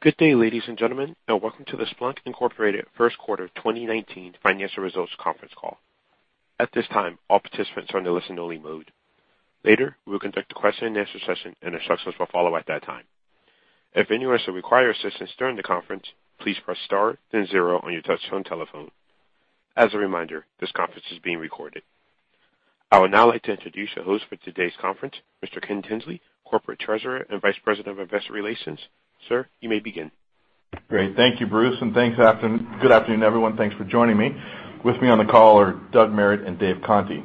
Good day, ladies and gentlemen, and welcome to the Splunk Incorporated First Quarter 2019 Financial Results Conference Call. At this time, all participants are in the listen-only mode. Later, we will conduct a question-and-answer session, and instructions will follow at that time. If anyone should require assistance during the conference, please press star then zero on your touch-tone telephone. As a reminder, this conference is being recorded. I would now like to introduce the host for today's conference, Mr. Ken Tinsley, Corporate Treasurer and Vice President of Investor Relations. Sir, you may begin. Great. Thank you, Bruce, and good afternoon, everyone. Thanks for joining me. With me on the call are Doug Merritt and Dave Conte.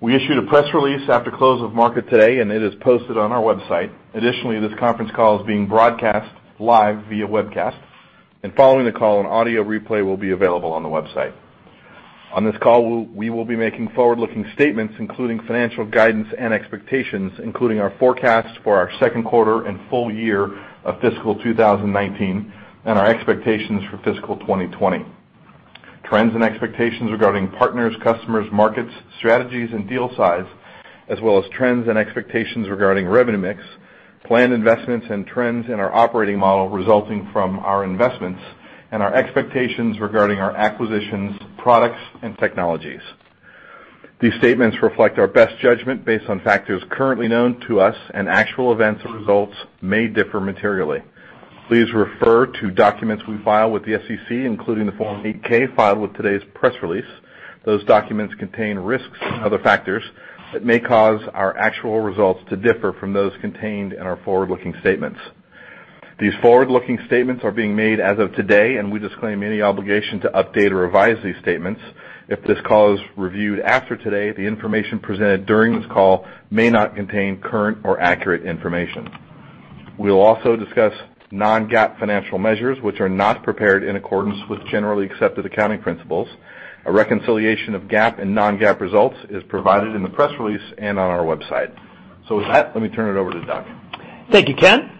We issued a press release after close of market today, and it is posted on our website. Additionally, this conference call is being broadcast live via webcast, and following the call an audio replay will be available on the website. On this call, we will be making forward-looking statements, including financial guidance and expectations, including our forecast for our second quarter and full year of fiscal 2019, and our expectations for fiscal 2020. Trends and expectations regarding partners, customers, markets, strategies, and deal size, as well as trends and expectations regarding revenue mix, planned investments and trends in our operating model resulting from our investments and our expectations regarding our acquisitions, products, and technologies. These statements reflect our best judgment based on factors currently known to us, and actual events or results may differ materially. Please refer to documents we file with the SEC, including the Form 8-K filed with today's press release. Those documents contain risks and other factors that may cause our actual results to differ from those contained in our forward-looking statements. These forward-looking statements are being made as of today, and we disclaim any obligation to update or revise these statements. If this call is reviewed after today, the information presented during this call may not contain current or accurate information. We will also discuss non-GAAP financial measures which are not prepared in accordance with generally accepted accounting principles. A reconciliation of GAAP and non-GAAP results is provided in the press release and on our website. With that, let me turn it over to Doug. Thank you, Ken.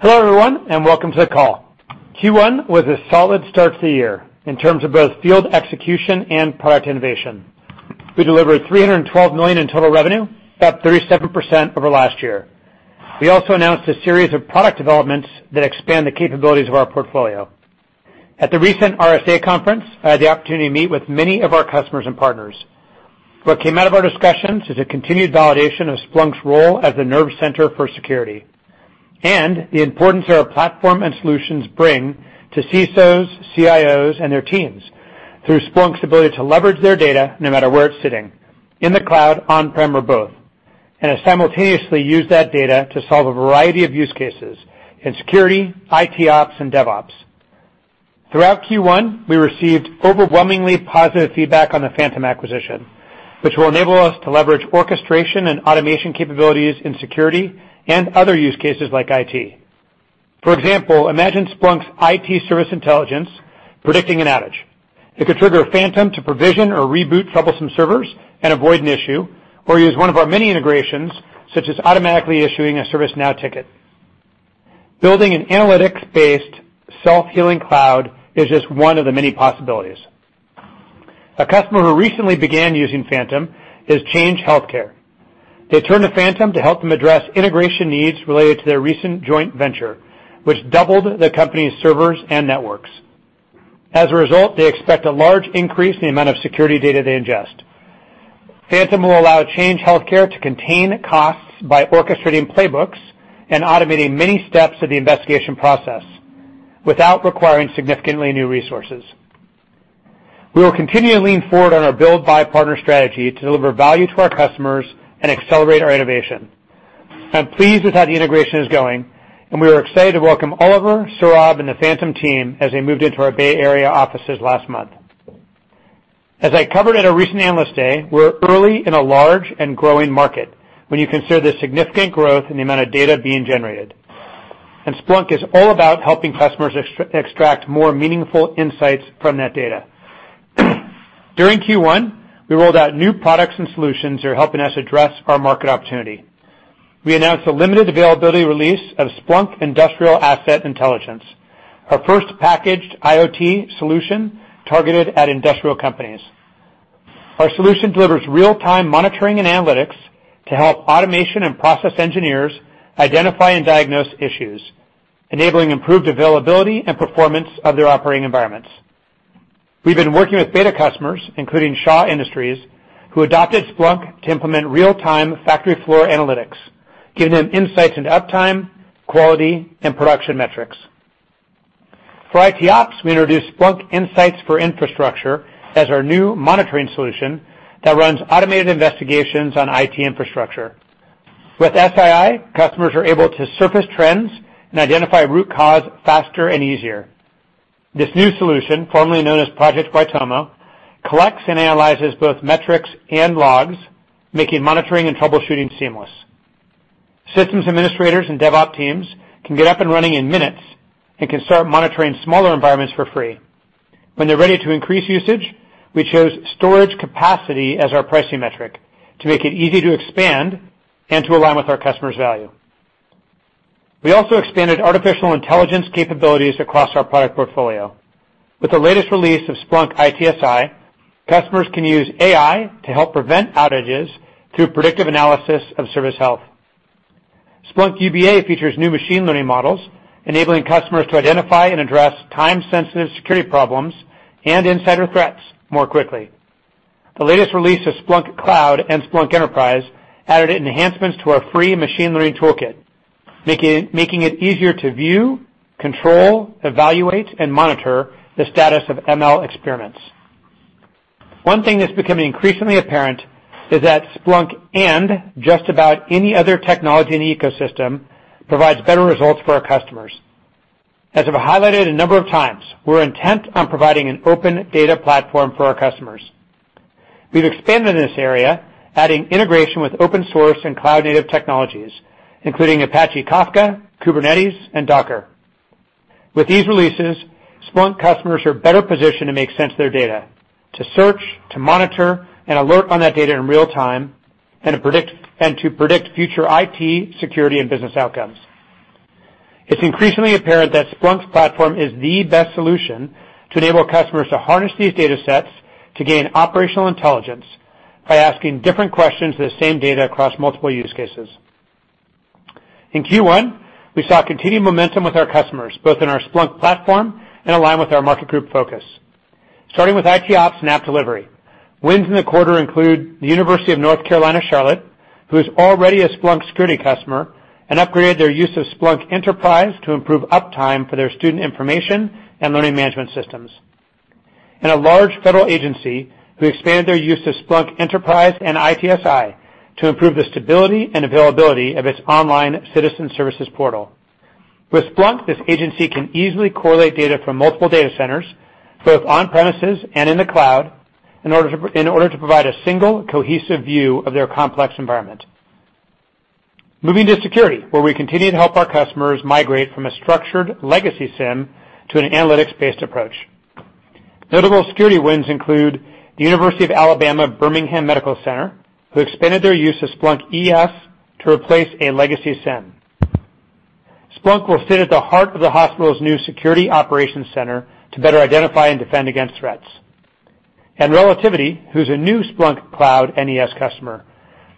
Hello, everyone, and welcome to the call. Q1 was a solid start to the year in terms of both field execution and product innovation. We delivered $312 million in total revenue, up 37% over last year. We also announced a series of product developments that expand the capabilities of our portfolio. At the recent RSA Conference, I had the opportunity to meet with many of our customers and partners. What came out of our discussions is a continued validation of Splunk's role as the nerve center for security, and the importance that our platform and solutions bring to CISOs, CIOs, and their teams through Splunk's ability to leverage their data no matter where it's sitting, in the cloud, on-prem, or both, and simultaneously use that data to solve a variety of use cases in security, ITOps, and DevOps. Throughout Q1, we received overwhelmingly positive feedback on the Phantom acquisition, which will enable us to leverage orchestration and automation capabilities in security and other use cases like IT. For example, imagine Splunk's IT service intelligence predicting an outage. It could trigger Phantom to provision or reboot troublesome servers and avoid an issue, or use one of our many integrations, such as automatically issuing a ServiceNow ticket. Building an analytics-based self-healing cloud is just one of the many possibilities. A customer who recently began using Phantom is Change Healthcare. They turned to Phantom to help them address integration needs related to their recent joint venture, which doubled the company's servers and networks. As a result, they expect a large increase in the amount of security data they ingest. Phantom will allow Change Healthcare to contain costs by orchestrating playbooks and automating many steps of the investigation process without requiring significantly new resources. We will continue to lean forward on our build/buy partner strategy to deliver value to our customers and accelerate our innovation. I'm pleased with how the integration is going, and we are excited to welcome Oliver, Sourabh, and the Phantom team as they moved into our Bay Area offices last month. Splunk is all about helping customers extract more meaningful insights from that data. During Q1, we rolled out new products and solutions that are helping us address our market opportunity. We announced a limited availability release of Splunk Industrial Asset Intelligence, our first packaged IoT solution targeted at industrial companies. Our solution delivers real-time monitoring and analytics to help automation and process engineers identify and diagnose issues, enabling improved availability and performance of their operating environments. We've been working with beta customers, including Shaw Industries, who adopted Splunk to implement real-time factory floor analytics, giving them insights into uptime, quality, and production metrics. For ITOps, we introduced Splunk Insights for Infrastructure as our new monitoring solution that runs automated investigations on IT infrastructure. With SII, customers are able to surface trends and identify root cause faster and easier. This new solution, formerly known as Project Waitomo, collects and analyzes both metrics and logs, making monitoring and troubleshooting seamless. Systems administrators and DevOps teams can get up and running in minutes and can start monitoring smaller environments for free. When they're ready to increase usage, we chose storage capacity as our pricing metric to make it easy to expand and to align with our customers' value. We also expanded artificial intelligence capabilities across our product portfolio. With the latest release of Splunk ITSI, customers can use AI to help prevent outages through predictive analysis of service health. Splunk UBA features new machine learning models, enabling customers to identify and address time-sensitive security problems and insider threats more quickly. The latest release of Splunk Cloud and Splunk Enterprise added enhancements to our free machine learning toolkit, making it easier to view, control, evaluate, and monitor the status of ML experiments. One thing that's becoming increasingly apparent is that Splunk and just about any other technology in the ecosystem provides better results for our customers. As I've highlighted a number of times, we're intent on providing an open data platform for our customers. We've expanded in this area, adding integration with open source and cloud-native technologies, including Apache Kafka, Kubernetes, and Docker. With these releases, Splunk customers are better positioned to make sense of their data, to search, to monitor, and alert on that data in real time, and to predict future IT, security, and business outcomes. It's increasingly apparent that Splunk's platform is the best solution to enable customers to harness these data sets to gain operational intelligence by asking different questions of the same data across multiple use cases. In Q1, we saw continued momentum with our customers, both in our Splunk platform and aligned with our market group focus. Starting with ITOps and app delivery. Wins in the quarter include the University of North Carolina at Charlotte, who is already a Splunk security customer and upgraded their use of Splunk Enterprise to improve uptime for their student information and learning management systems. A large federal agency who expanded their use of Splunk Enterprise and ITSI to improve the stability and availability of its online citizen services portal. With Splunk, this agency can easily correlate data from multiple data centers, both on premises and in the cloud, in order to provide a single, cohesive view of their complex environment. Moving to security, where we continue to help our customers migrate from a structured legacy SIEM to an analytics-based approach. Notable security wins include the University of Alabama at Birmingham Medical Center, who expanded their use of Splunk ES to replace a legacy SIEM. Splunk will sit at the heart of the hospital's new security operations center to better identify and defend against threats. Relativity, who's a new Splunk Cloud and ES customer.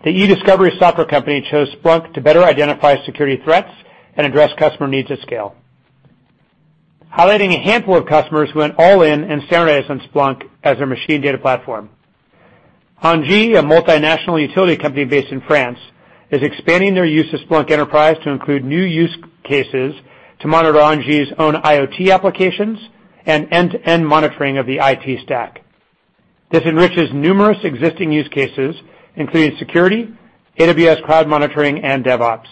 The e-discovery software company chose Splunk to better identify security threats and address customer needs at scale. Highlighting a handful of customers who went all in and standardized on Splunk as their machine data platform. Engie, a multinational utility company based in France, is expanding their use of Splunk Enterprise to include new use cases to monitor Engie's own IoT applications and end-to-end monitoring of the IT stack. This enriches numerous existing use cases, including security, AWS cloud monitoring, and DevOps.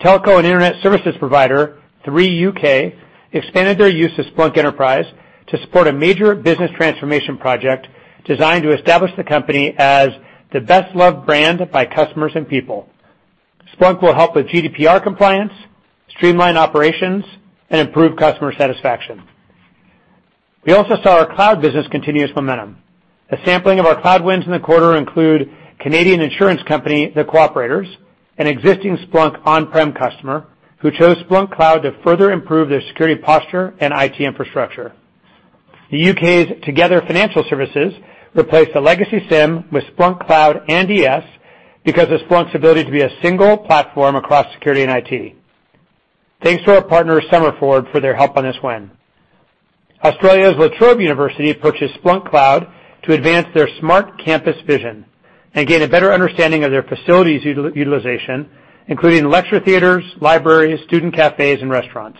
Telco and internet services provider Three UK expanded their use of Splunk Enterprise to support a major business transformation project designed to establish the company as the best-loved brand by customers and people. Splunk will help with GDPR compliance, streamline operations, and improve customer satisfaction. We also saw our cloud business continuous momentum. A sampling of our cloud wins in the quarter include Canadian insurance company The Co-operators, an existing Splunk on-prem customer, who chose Splunk Cloud to further improve their security posture and IT infrastructure. The U.K.'s Together Financial Services replaced a legacy SIEM with Splunk Cloud and ES because of Splunk's ability to be a single platform across security and IT. Thanks to our partner Somerford for their help on this win. Australia's La Trobe University purchased Splunk Cloud to advance their smart campus vision and gain a better understanding of their facilities utilization, including lecture theaters, libraries, student cafes, and restaurants.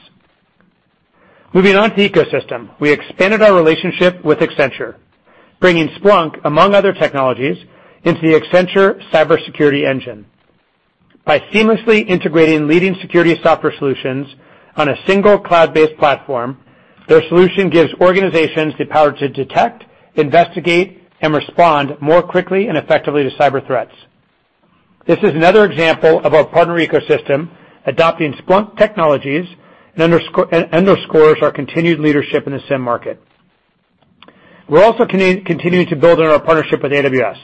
Moving on to ecosystem. We expanded our relationship with Accenture, bringing Splunk, among other technologies, into the Accenture Cybersecurity Engine. By seamlessly integrating leading security software solutions on a single cloud-based platform, their solution gives organizations the power to detect, investigate, and respond more quickly and effectively to cyber threats. This is another example of our partner ecosystem adopting Splunk technologies and underscores our continued leadership in the SIEM market. We're also continuing to build on our partnership with AWS,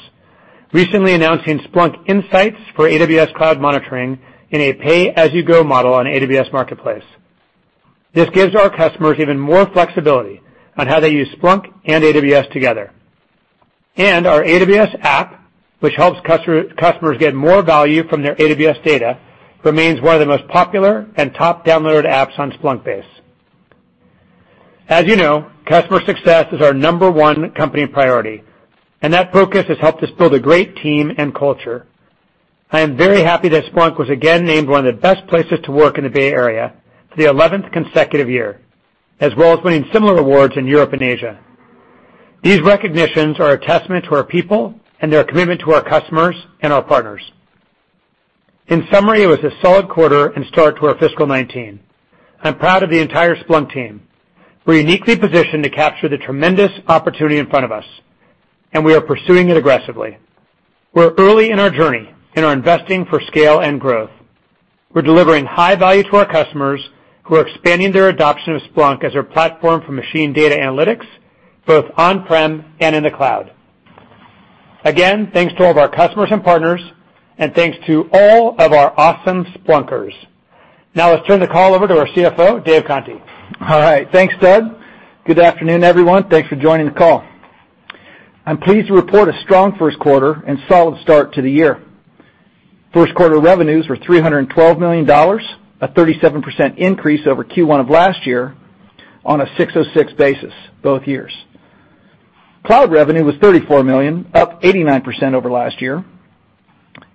recently announcing Splunk Insights for AWS Cloud Monitoring in a pay-as-you-go model on AWS Marketplace. This gives our customers even more flexibility on how they use Splunk and AWS together. Our AWS app, which helps customers get more value from their AWS data, remains one of the most popular and top downloaded apps on Splunkbase. As you know, customer success is our number 1 company priority, and that focus has helped us build a great team and culture. I am very happy that Splunk was again named one of the best places to work in the Bay Area for the 11th consecutive year, as well as winning similar awards in Europe and Asia. These recognitions are a testament to our people and their commitment to our customers and our partners. In summary, it was a solid quarter and start to our fiscal year 2019. I'm proud of the entire Splunk team. We're uniquely positioned to capture the tremendous opportunity in front of us. We are pursuing it aggressively. We're early in our journey. We are investing for scale and growth. We're delivering high value to our customers, who are expanding their adoption of Splunk as their platform for machine data analytics, both on-prem and in the cloud. Again, thanks to all of our customers and partners. Thanks to all of our awesome Splunkers. Now let's turn the call over to our CFO, Dave Conte. All right. Thanks, Doug. Good afternoon, everyone. Thanks for joining the call. I'm pleased to report a strong first quarter and solid start to the year. First quarter revenues were $312 million, a 37% increase over Q1 of last year, on an ASC 606 basis, both years. Cloud revenue was $34 million, up 89% over last year.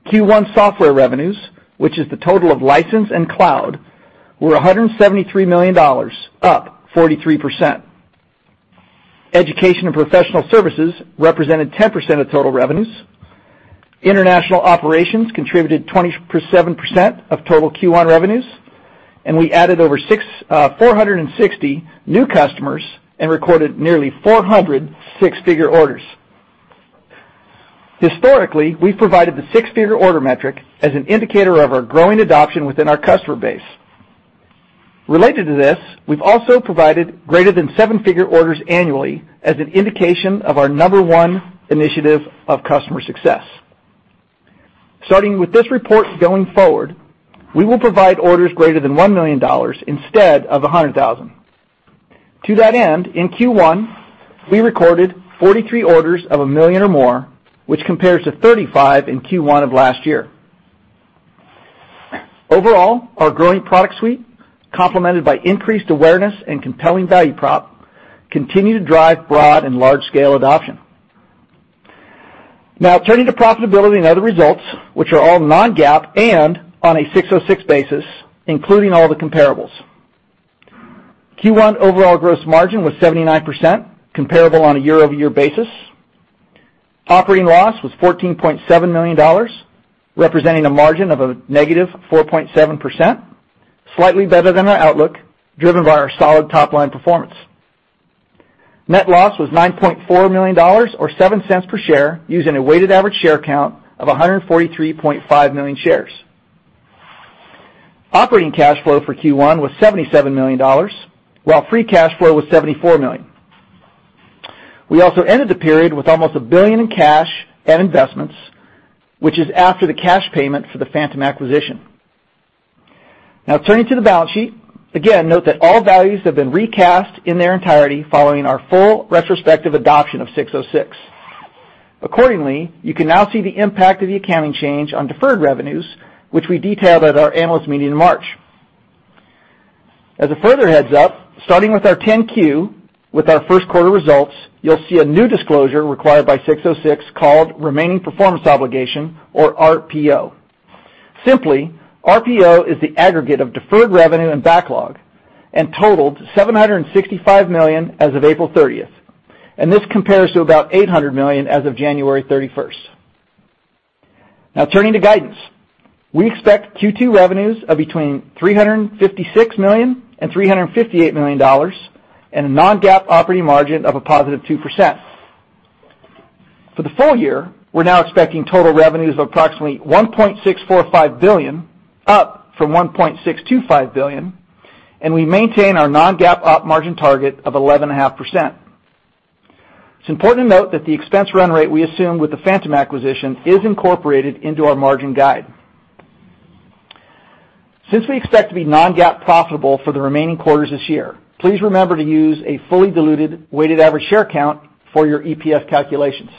Q1 software revenues, which is the total of license and cloud, were $173 million, up 43%. Education and professional services represented 10% of total revenues. International operations contributed 27% of total Q1 revenues. We added over 460 new customers and recorded nearly 400 six-figure orders. Historically, we've provided the six-figure order metric as an indicator of our growing adoption within our customer base. Related to this, we've also provided greater than seven-figure orders annually as an indication of our number 1 initiative of customer success. Starting with this report going forward, we will provide orders greater than $1 million instead of $100,000. To that end, in Q1, we recorded 43 orders of $1 million or more, which compares to 35 in Q1 of last year. Overall, our growing product suite, complemented by increased awareness and compelling value prop, continue to drive broad and large-scale adoption. Turning to profitability and other results, which are all non-GAAP and on a 606 basis, including all the comparables. Q1 overall gross margin was 79%, comparable on a year-over-year basis. Operating loss was $14.7 million, representing a margin of a negative 4.7%, slightly better than our outlook, driven by our solid top-line performance. Net loss was $9.4 million or $0.07 per share, using a weighted average share count of 143.5 million shares. Operating cash flow for Q1 was $77 million, while free cash flow was $74 million. We also ended the period with almost $1 billion in cash and investments, which is after the cash payment for the Phantom acquisition. Turning to the balance sheet. Again, note that all values have been recast in their entirety following our full retrospective adoption of 606. Accordingly, you can now see the impact of the accounting change on deferred revenues, which we detailed at our Analyst Day in March. As a further heads-up, starting with our 10-Q, with our first quarter results, you'll see a new disclosure required by 606 called Remaining Performance Obligation, or RPO. Simply, RPO is the aggregate of deferred revenue and backlog and totaled $765 million as of April 30th, and this compares to about $800 million as of January 31st. Turning to guidance. We expect Q2 revenues of between $356 million and $358 million, and a non-GAAP operating margin of a positive 2%. For the full year, we're now expecting total revenues of approximately $1.645 billion, up from $1.625 billion, and we maintain our non-GAAP op margin target of 11.5%. It's important to note that the expense run rate we assumed with the Phantom acquisition is incorporated into our margin guide. Since we expect to be non-GAAP profitable for the remaining quarters this year, please remember to use a fully diluted weighted average share count for your EPS calculations.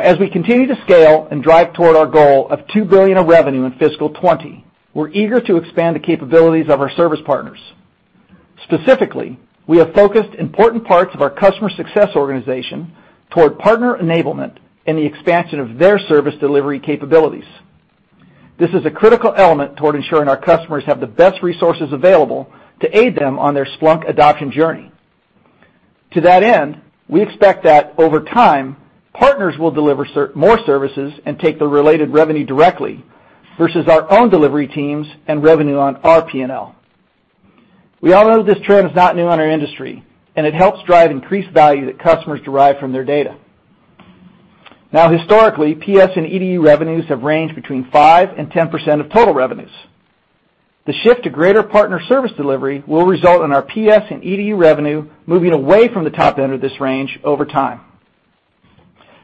As we continue to scale and drive toward our goal of $2 billion of revenue in fiscal 2020, we're eager to expand the capabilities of our service partners. Specifically, we have focused important parts of our customer success organization toward partner enablement and the expansion of their service delivery capabilities. This is a critical element toward ensuring our customers have the best resources available to aid them on their Splunk adoption journey. To that end, we expect that over time, partners will deliver more services and take the related revenue directly versus our own delivery teams and revenue on our P&L. We all know this trend is not new in our industry, and it helps drive increased value that customers derive from their data. Historically, PS and EDU revenues have ranged between 5% and 10% of total revenues. The shift to greater partner service delivery will result in our PS and EDU revenue moving away from the top end of this range over time.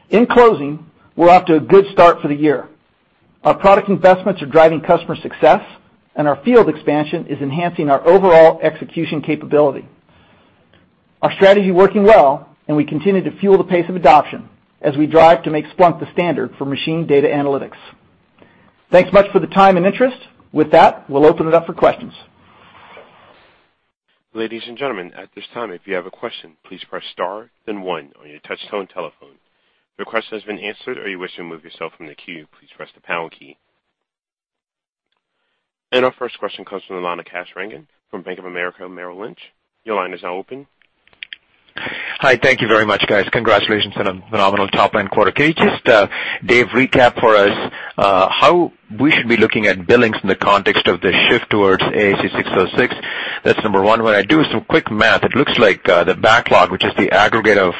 In closing, we're off to a good start for the year. Our product investments are driving customer success, and our field expansion is enhancing our overall execution capability. Our strategy working well, and we continue to fuel the pace of adoption as we drive to make Splunk the standard for machine data analytics. Thanks much for the time and interest. With that, we'll open it up for questions. Ladies and gentlemen, at this time, if you have a question, please press star then one on your touchtone telephone. If your question has been answered or you wish to remove yourself from the queue, please press the pound key. Our first question comes from the line of Kash Rangan from Bank of America Merrill Lynch. Your line is now open. Hi. Thank you very much, guys. Congratulations on a phenomenal top-line quarter. Can you just, Dave, recap for us how we should be looking at billings in the context of the shift towards ASC 606? That's number 1. When I do some quick math, it looks like the backlog, which is the aggregate of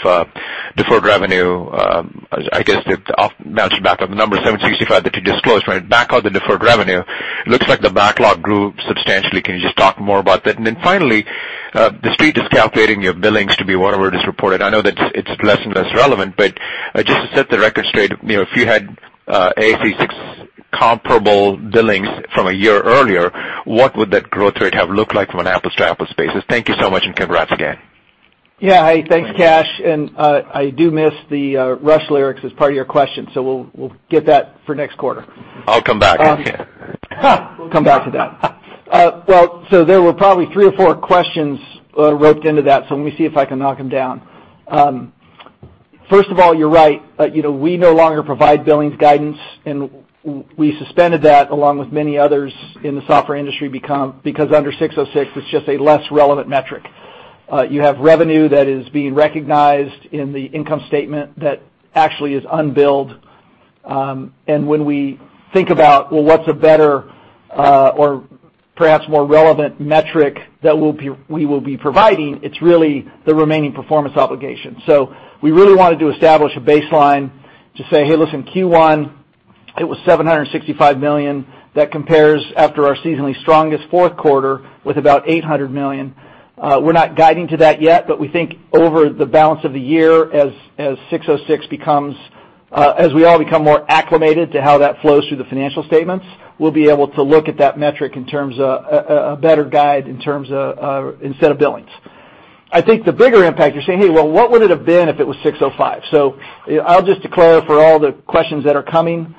deferred revenue, I guess the amount should back up the number 765 that you disclosed, right? Backlog the deferred revenue. Looks like the backlog grew substantially. Can you just talk more about that? Then finally, the street is calculating your billings to be whatever it is reported. I know that it's less and less relevant, but just to set the record straight, if you had ASC 606 comparable billings from a year earlier, what would that growth rate have looked like from an apples-to-apples basis? Thank you so much, and congrats again. Yeah. Hey, thanks, Kash. I do miss the Rush lyrics as part of your question, we'll get that for next quarter. I'll come back. Come back to that. There were probably three or four questions roped into that, let me see if I can knock them down. First of all, you're right. We no longer provide billings guidance, and we suspended that along with many others in the software industry because under 606, it's just a less relevant metric. You have revenue that is being recognized in the income statement that actually is unbilled. When we think about what's a better or perhaps more relevant metric that we will be providing, it's really the remaining performance obligation. We really wanted to establish a baseline to say, "Hey, listen, Q1, it was $765 million." That compares after our seasonally strongest fourth quarter with about $800 million. We're not guiding to that yet, we think over the balance of the year, as we all become more acclimated to how that flows through the financial statements, we'll be able to look at that metric in terms of a better guide instead of billings. I think the bigger impact, you're saying, "Hey, well, what would it have been if it was 605?" I'll just declare for all the questions that are coming,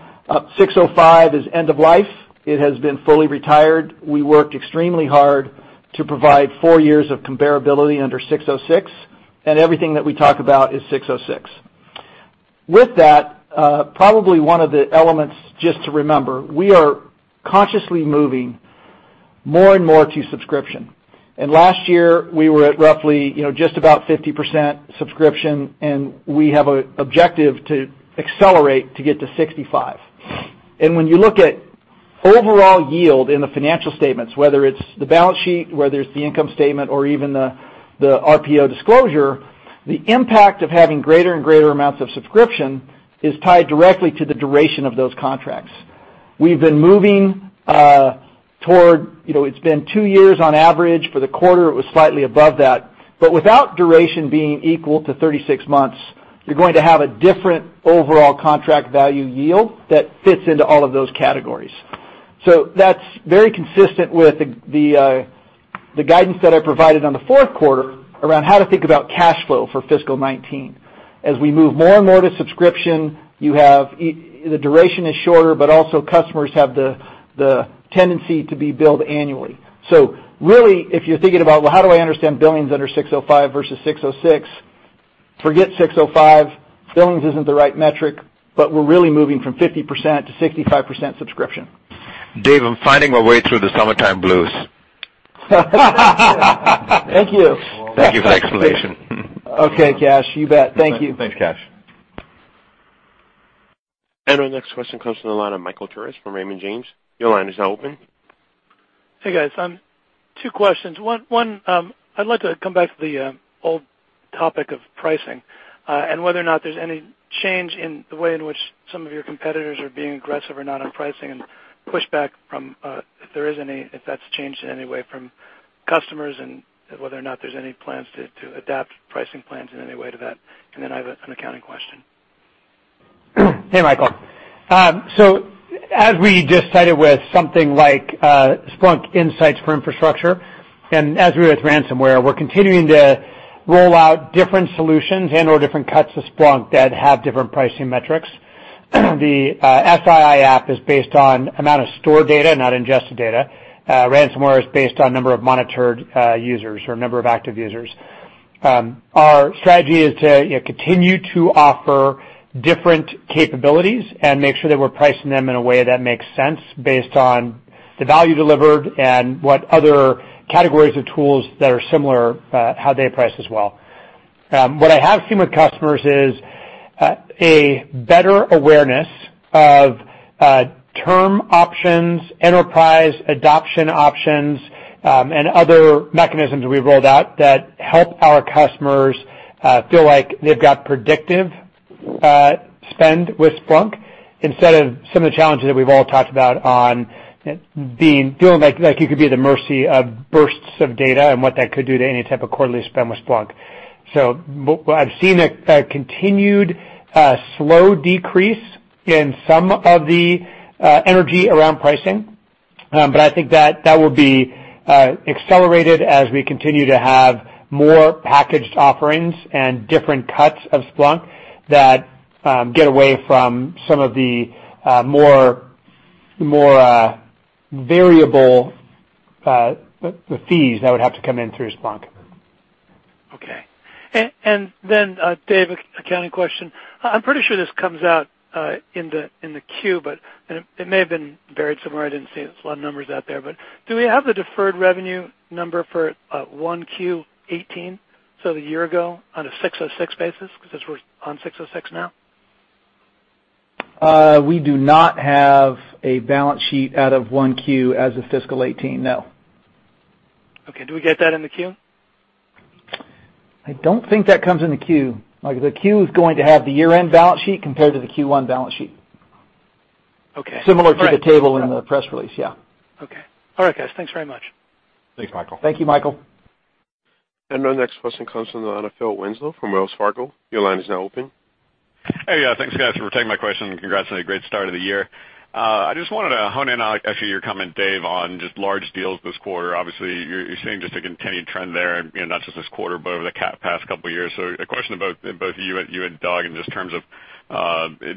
605 is end of life. It has been fully retired. We worked extremely hard to provide 4 years of comparability under 606, everything that we talk about is 606. With that, probably one of the elements just to remember, we are consciously moving more and more to subscription. Last year, we were at roughly just about 50% subscription, and we have an objective to accelerate to get to 65%. When you look at overall yield in the financial statements, whether it's the balance sheet, whether it's the income statement, or even the RPO disclosure, the impact of having greater and greater amounts of subscription is tied directly to the duration of those contracts. We've been moving toward, it's been 2 years on average for the quarter, it was slightly above that. Without duration being equal to 36 months, you're going to have a different overall contract value yield that fits into all of those categories. That's very consistent with the guidance that I provided on the fourth quarter around how to think about cash flow for FY 2019. As we move more and more to subscription, the duration is shorter, customers have the tendency to be billed annually. Really, if you're thinking about, well, how do I understand billings under 605 versus 606? Forget 605. Billings isn't the right metric, we're really moving from 50%-65% subscription. Dave, I'm finding my way through the summertime blues. Thank you. Thank you for the explanation. Okay, Kash. You bet. Thank you. Thanks, Kash. Our next question comes from the line of Michael Turits from Raymond James. Your line is now open. Hey, guys. Two questions. One, I'd like to come back to the old topic of pricing, and whether or not there's any change in the way in which some of your competitors are being aggressive or not on pricing and pushback from, if there is any, if that's changed in any way from customers, and whether or not there's any plans to adapt pricing plans in any way to that. I have an accounting question. Hey, Michael. As we just started with something like Splunk Insights for Infrastructure, as we with ransomware, we're continuing to roll out different solutions and/or different cuts of Splunk that have different pricing metrics. The SII app is based on amount of stored data, not ingested data. ransomware is based on number of monitored users or number of active users. Our strategy is to continue to offer different capabilities and make sure that we're pricing them in a way that makes sense based on the value delivered and what other categories of tools that are similar, how they price as well. What I have seen with customers is a better awareness of term options, enterprise adoption options, and other mechanisms we've rolled out that help our customers feel like they've got predictive spend with Splunk instead of some of the challenges that we've all talked about on feeling like you could be at the mercy of bursts of data and what that could do to any type of quarterly spend with Splunk. I've seen a continued slow decrease in some of the energy around pricing. I think that will be accelerated as we continue to have more packaged offerings and different cuts of Splunk that get away from some of the more variable fees that would have to come in through Splunk. Okay. Then, Dave, accounting question. I'm pretty sure this comes out in the 10-Q, but it may have been buried somewhere. I didn't see it. There's a lot of numbers out there, but do we have the deferred revenue number for 1Q 2018, so the year ago, on an ASC 606 basis? It's on ASC 606 now. We do not have a balance sheet out of 1Q as of fiscal 2018, no. Okay. Do we get that in the Q? I don't think that comes in the Q. Michael, the Q is going to have the year-end balance sheet compared to the Q1 balance sheet. Okay. Similar to the table in the press release, yeah. Okay. All right, guys. Thanks very much. Thanks, Michael. Thank you, Michael. Our next question comes from the line of Phil Winslow from Wells Fargo. Your line is now open. Hey. Thanks, guys, for taking my question, and congrats on a great start of the year. I just wanted to hone in on actually your comment, Dave, on just large deals this quarter. Obviously, you're seeing just a continued trend there, not just this quarter, but over the past couple of years. A question about both you and Doug, and just terms of,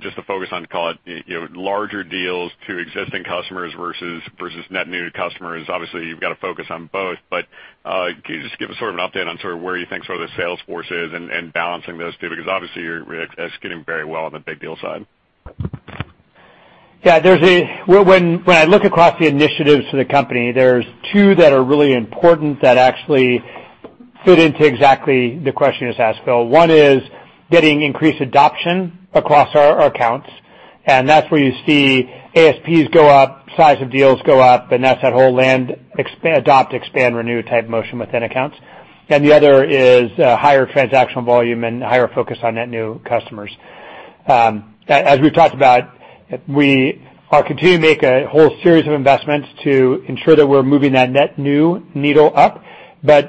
just to focus on, call it, larger deals to existing customers versus net new customers. Obviously, you've got to focus on both, but can you just give us sort of an update on sort of where you think sort of the sales force is and balancing those two? Obviously, you're executing very well on the big deal side. Yeah. When I look across the initiatives for the company, there's two that are really important that actually fit into exactly the question you just asked, Phil. One is getting increased adoption across our accounts. That's where you see ASPs go up, size of deals go up, and that's that whole land, adopt, expand, renew type motion within accounts. The other is higher transactional volume and higher focus on net new customers. As we've talked about, we are continuing to make a whole series of investments to ensure that we're moving that net new needle up.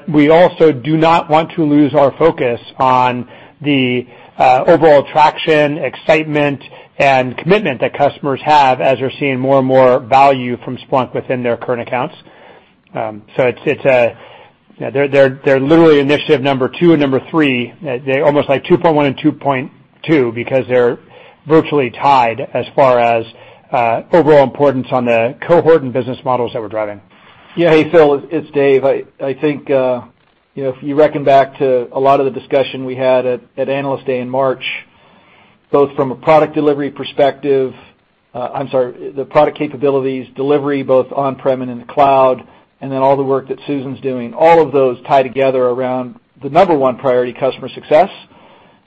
We also do not want to lose our focus on the overall traction, excitement, and commitment that customers have as they're seeing more and more value from Splunk within their current accounts. They're literally initiative number two and number three. They're almost like 2.1 and 2.2 because they're virtually tied as far as overall importance on the cohort and business models that we're driving. Yeah. Hey, Phil, it's Dave. I think, if you reckon back to a lot of the discussion we had at Analyst Day in March, both from a product delivery perspective-- I'm sorry, the product capabilities, delivery, both on-prem and in the cloud, all the work that Susan's doing, all of those tie together around the number 1 priority, customer success.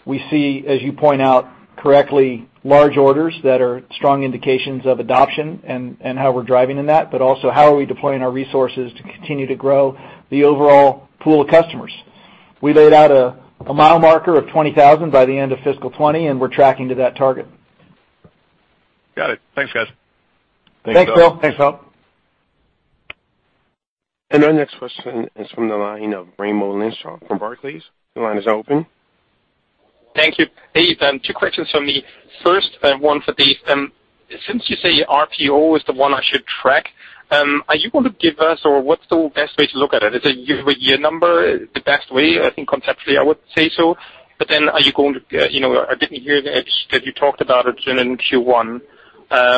We see, as you point out correctly, large orders that are strong indications of adoption and how we're driving in that, also how are we deploying our resources to continue to grow the overall pool of customers. We laid out a mile marker of 20,000 by the end of fiscal 2020, and we're tracking to that target. Got it. Thanks, guys. Thanks, Phil. Thanks, Phil. Our next question is from the line of Raimo Lenschow from Barclays. Your line is open. Thank you. Hey, two questions from me. First one for Dave. Since you say RPO is the one I should track, are you going to give us, or what's the best way to look at it? Is a year-over-year number the best way? I think conceptually I would say so, are you going to? I didn't hear that you talked about it in Q1,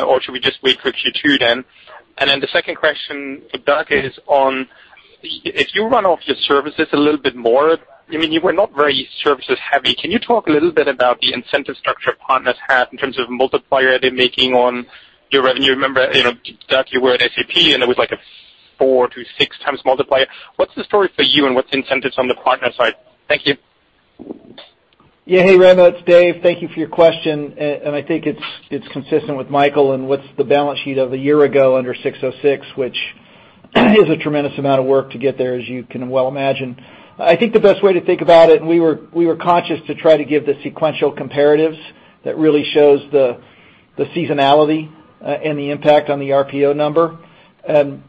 or should we just wait for Q2 then? The second question for Doug is on, if you run off your services a little bit more, you were not very services heavy. Can you talk a little bit about the incentive structure partners have in terms of multiplier they're making on your revenue? Remember, Doug, you were at SAP, and it was like a four to six times multiplier. What's the story for you and what's the incentives on the partner side? Thank you. Yeah. Hey, Raimo, it's David. Thank you for your question. I think it's consistent with Michael and what's the balance sheet of a year ago under ASC 606, which is a tremendous amount of work to get there, as you can well imagine. I think the best way to think about it, we were conscious to try to give the sequential comparatives that really shows the seasonality, and the impact on the RPO number.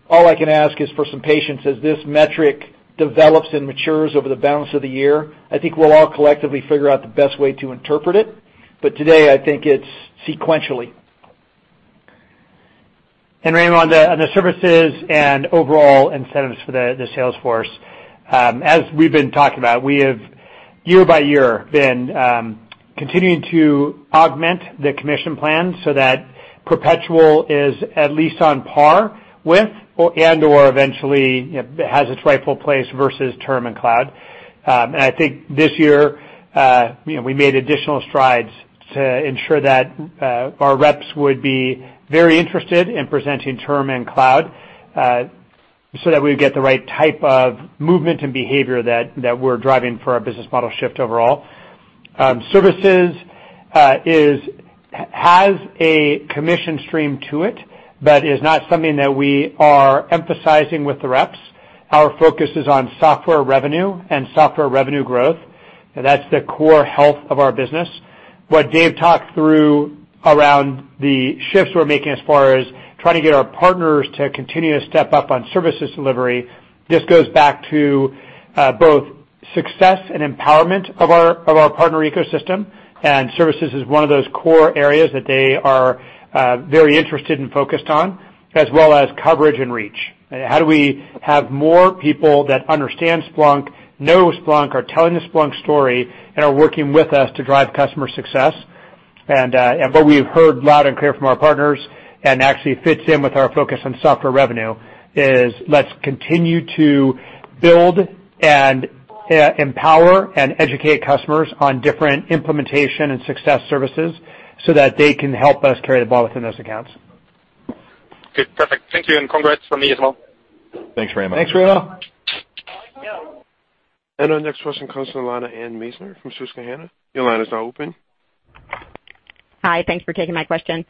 All I can ask is for some patience as this metric develops and matures over the balance of the year. I think we'll all collectively figure out the best way to interpret it. Today, I think it's sequentially. Raimo, on the services and overall incentives for the sales force. As we've been talking about, we have year by year been continuing to augment the commission plan so that perpetual is at least on par with and/or eventually has its rightful place versus term and cloud. I think this year, we made additional strides to ensure that our reps would be very interested in presenting term and cloud, so that we would get the right type of movement and behavior that we're driving for our business model shift overall. Services has a commission stream to it, but is not something that we are emphasizing with the reps. Our focus is on software revenue and software revenue growth. That's the core health of our business. What David talked through around the shifts we're making as far as trying to get our partners to continue to step up on services delivery, this goes back to both success and empowerment of our partner ecosystem, and services is one of those core areas that they are very interested and focused on, as well as coverage and reach. How do we have more people that understand Splunk, know Splunk, are telling the Splunk story, and are working with us to drive customer success? What we have heard loud and clear from our partners, and actually fits in with our focus on software revenue is let's continue to build and empower and educate customers on different implementation and success services so that they can help us carry the ball within those accounts. Okay, perfect. Thank you, and congrats from me as well. Thanks, Raimo. Thanks, Raimo. Our next question comes from the line of Anne Mesner from Susquehanna. Your line is now open. Hi. Thanks for taking my question.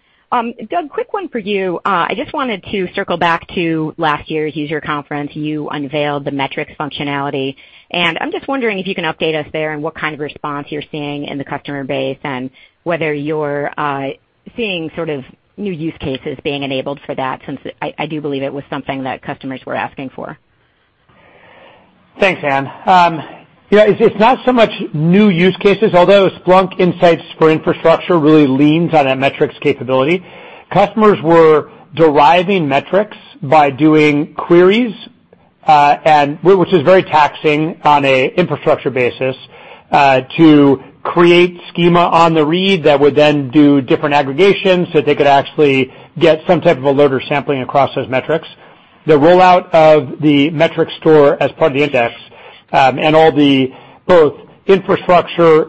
Doug, quick one for you. I just wanted to circle back to last year's user conference. You unveiled the metrics functionality. I'm just wondering if you can update us there on what kind of response you're seeing in the customer base and whether you're seeing sort of new use cases being enabled for that, since I do believe it was something that customers were asking for. Thanks, Anne. It's not so much new use cases, although Splunk Insights for Infrastructure really leans on that metrics capability. Customers were deriving metrics by doing queries, which is very taxing on an infrastructure basis, to create schema on the read that would then do different aggregations, so they could actually get some type of a loader sampling across those metrics. The rollout of the metrics store as part of the index, all the both infrastructure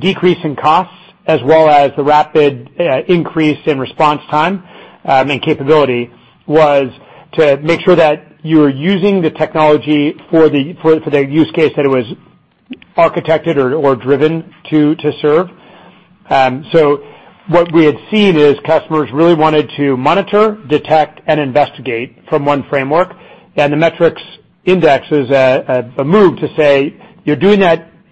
decrease in costs, as well as the rapid increase in response time and capability, was to make sure that you are using the technology for the use case that it was architected or driven to serve. What we had seen is customers really wanted to monitor, detect, and investigate from one framework. The metrics index is a move to say,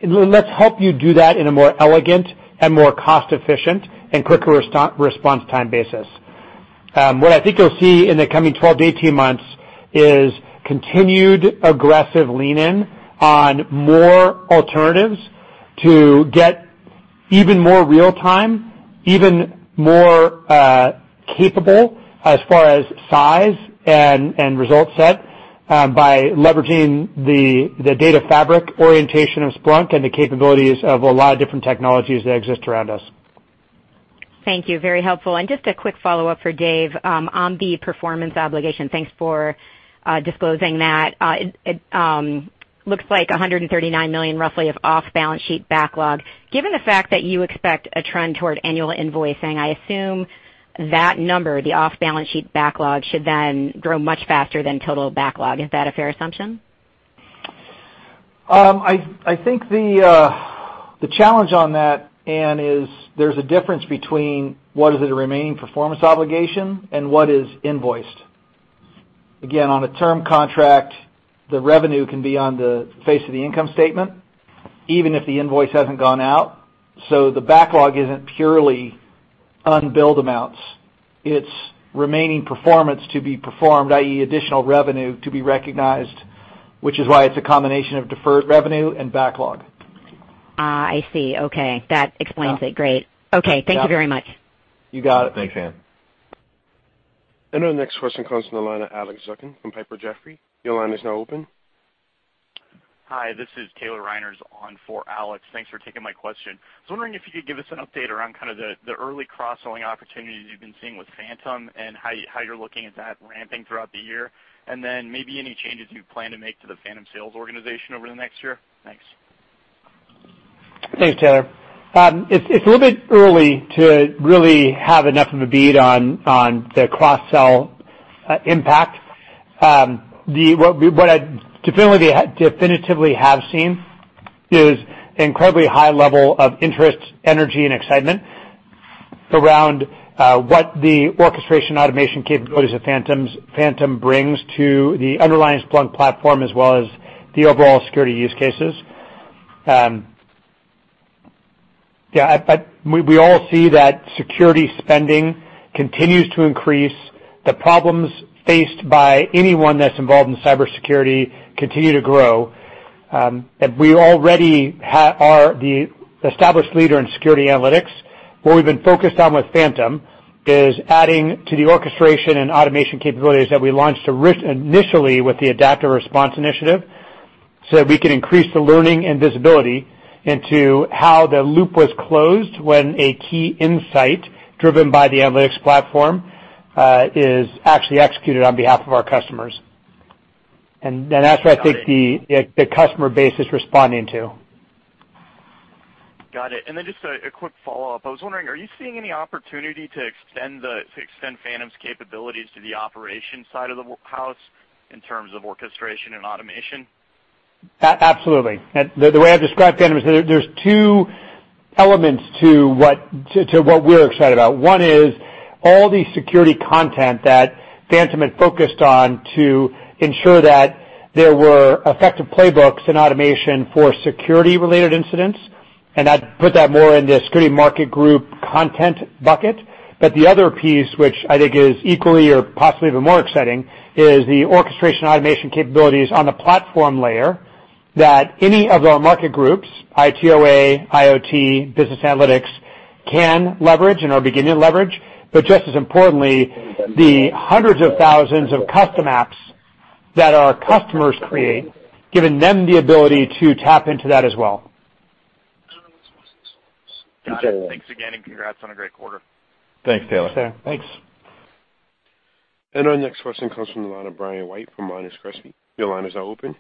"Let's help you do that in a more elegant and more cost-efficient and quicker response time basis." What I think you'll see in the coming 12 to 18 months is continued aggressive lean in on more alternatives to get even more real time, even more capable as far as size and result set, by leveraging the data fabric orientation of Splunk and the capabilities of a lot of different technologies that exist around us. Thank you. Very helpful. Just a quick follow-up for Dave on the performance obligation. Thanks for disclosing that. It looks like $139 million, roughly, of off-balance sheet backlog. Given the fact that you expect a trend toward annual invoicing, I assume that number, the off-balance sheet backlog, should then grow much faster than total backlog. Is that a fair assumption? I think the challenge on that, Anne, is there's a difference between what is the remaining performance obligation and what is invoiced. Again, on a term contract, the revenue can be on the face of the income statement, even if the invoice hasn't gone out. The backlog isn't purely unbilled amounts. It's remaining performance to be performed, i.e., additional revenue to be recognized, which is why it's a combination of deferred revenue and backlog. I see. Okay. That explains it. Great. Okay. Thank you very much. You got it. Thanks, Anne. Our next question comes from the line of Alex Zukin from Piper Jaffray. Your line is now open. Hi, this is Taylor Reiner on for Alex. Thanks for taking my question. I was wondering if you could give us an update around the early cross-selling opportunities you've been seeing with Phantom, and how you're looking at that ramping throughout the year. Then maybe any changes you plan to make to the Phantom sales organization over the next year. Thanks. Thanks, Taylor. It's a little bit early to really have enough of a bead on the cross-sell impact. What I definitively have seen is incredibly high level of interest, energy, and excitement around what the orchestration automation capabilities of Phantom brings to the underlying Splunk platform, as well as the overall security use cases. Yeah. We all see that security spending continues to increase. The problems faced by anyone that's involved in cybersecurity continue to grow. We already are the established leader in security analytics. What we've been focused on with Phantom is adding to the orchestration and automation capabilities that we launched initially with the Adaptive Response initiative, so that we could increase the learning and visibility into how the loop was closed when a key insight driven by the analytics platform is actually executed on behalf of our customers. That's what I think the customer base is responding to. Got it. Then just a quick follow-up. I was wondering, are you seeing any opportunity to extend Phantom's capabilities to the operations side of the house in terms of orchestration and automation? Absolutely. The way I've described Phantom is there's two elements to what we're excited about. One is all the security content that Phantom had focused on to ensure that there were effective playbooks and automation for security-related incidents, and I'd put that more in the security market group content bucket. The other piece, which I think is equally or possibly even more exciting, is the orchestration automation capabilities on the platform layer that any of our market groups, ITOA, IoT, business analytics, can leverage and are beginning to leverage. Just as importantly, the hundreds of thousands of custom apps that our customers create, giving them the ability to tap into that as well. Got it. Thanks again, congrats on a great quarter. Thanks, Taylor. Thanks, Taylor. Thanks. Our next question comes from the line of Brian White from Monness Crespi. Your line is now open.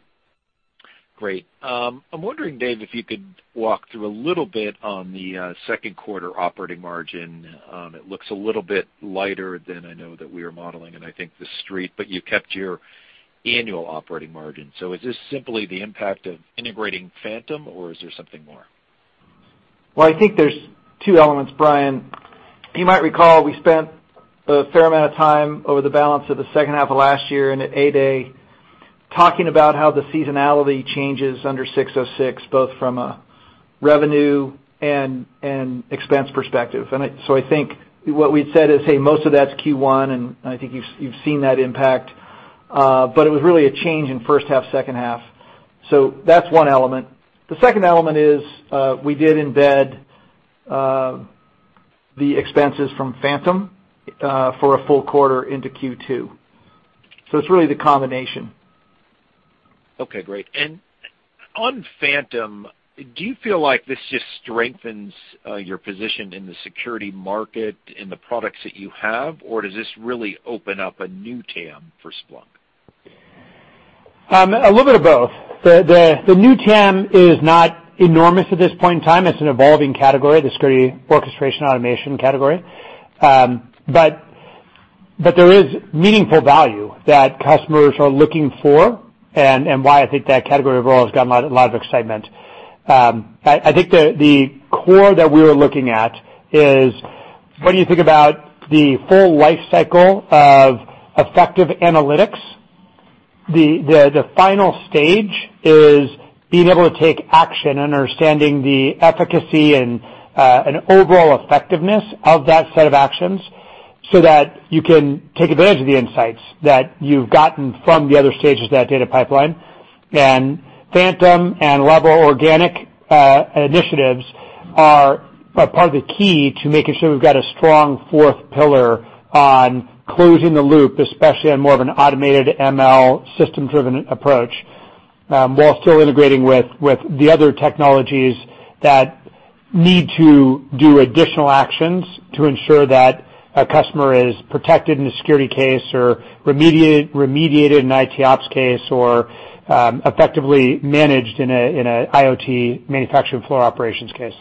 Great. I'm wondering, Dave, if you could walk through a little bit on the second quarter operating margin. It looks a little bit lighter than I know that we are modeling, and I think the Street, but you kept your annual operating margin. Is this simply the impact of integrating Phantom, or is there something more? I think there's two elements, Brian. You might recall we spent a fair amount of time over the balance of the second half of last year and at A-Day talking about how the seasonality changes under 606, both from a Revenue and expense perspective. I think what we'd said is most of that's Q1, and I think you've seen that impact. It was really a change in first half, second half. That's one element. The second element is, we did embed the expenses from Phantom for a full quarter into Q2. It's really the combination. Okay, great. On Phantom, do you feel like this just strengthens your position in the security market, in the products that you have, or does this really open up a new TAM for Splunk? A little bit of both. The new TAM is not enormous at this point in time. It's an evolving category, the security orchestration automation category. There is meaningful value that customers are looking for and why I think that category overall has got a lot of excitement. I think the core that we're looking at is when you think about the full life cycle of effective analytics, the final stage is being able to take action, understanding the efficacy and an overall effectiveness of that set of actions so that you can take advantage of the insights that you've gotten from the other stages of that data pipeline. Phantom and level organic initiatives are part of the key to making sure we've got a strong fourth pillar on closing the loop, especially on more of an automated ML system-driven approach, while still integrating with the other technologies that need to do additional actions to ensure that a customer is protected in a security case or remediated an ITOps case, or effectively managed in a IoT manufacturing floor operations case.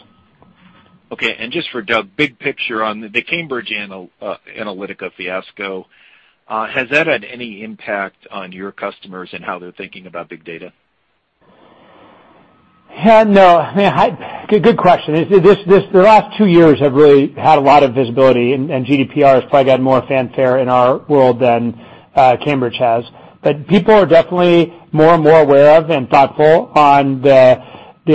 Okay, just for Doug, big picture on the Cambridge Analytica fiasco, has that had any impact on your customers and how they're thinking about big data? No. Good question. The last two years have really had a lot of visibility, GDPR has probably had more fanfare in our world than Cambridge has. People are definitely more and more aware of and thoughtful on the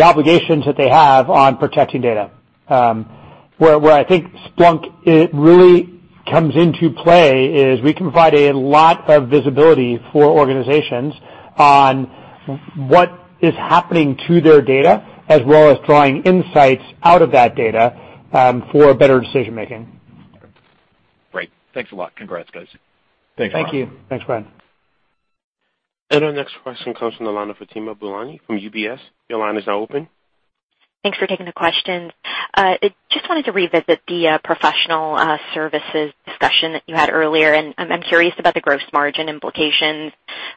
obligations that they have on protecting data. Where I think Splunk really comes into play is we can provide a lot of visibility for organizations on what is happening to their data, as well as drawing insights out of that data for better decision-making. Great. Thanks a lot. Congrats, guys. Thanks, Ron. Thank you. Thanks, Brian. Our next question comes from the line of Fatima Boolani from UBS. Your line is now open. Thanks for taking the questions. Just wanted to revisit the professional services discussion that you had earlier, and I'm curious about the gross margin implications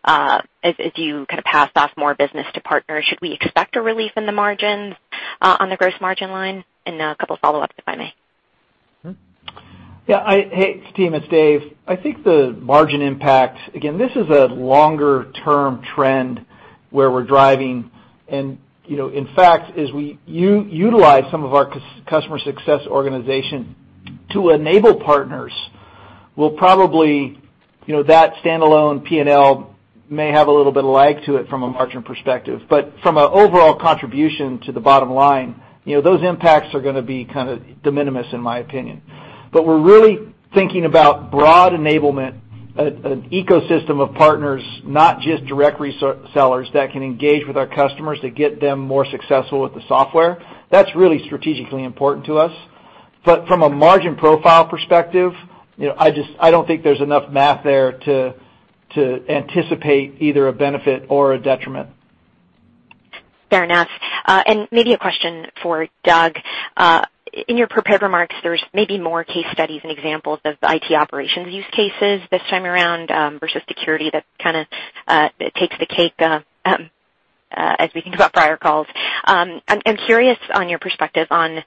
as you kind of pass off more business to partners. Should we expect a relief in the margins on the gross margin line? A couple of follow-ups, if I may. Yeah. Hey, Fatima, it's Dave. I think the margin impact, again, this is a longer-term trend where we're driving and in fact, as we utilize some of our customer success organization to enable partners, that standalone P&L may have a little bit of lag to it from a margin perspective. From an overall contribution to the bottom line, those impacts are going to be de minimis in my opinion. We're really thinking about broad enablement, an ecosystem of partners, not just direct resellers that can engage with our customers to get them more successful with the software. That's really strategically important to us. From a margin profile perspective, I don't think there's enough math there to anticipate either a benefit or a detriment. Fair enough. Maybe a question for Doug. In your prepared remarks, there's maybe more case studies and examples of IT operations use cases this time around versus security that kind of takes the cake as we think about prior calls. I'm curious on your perspective on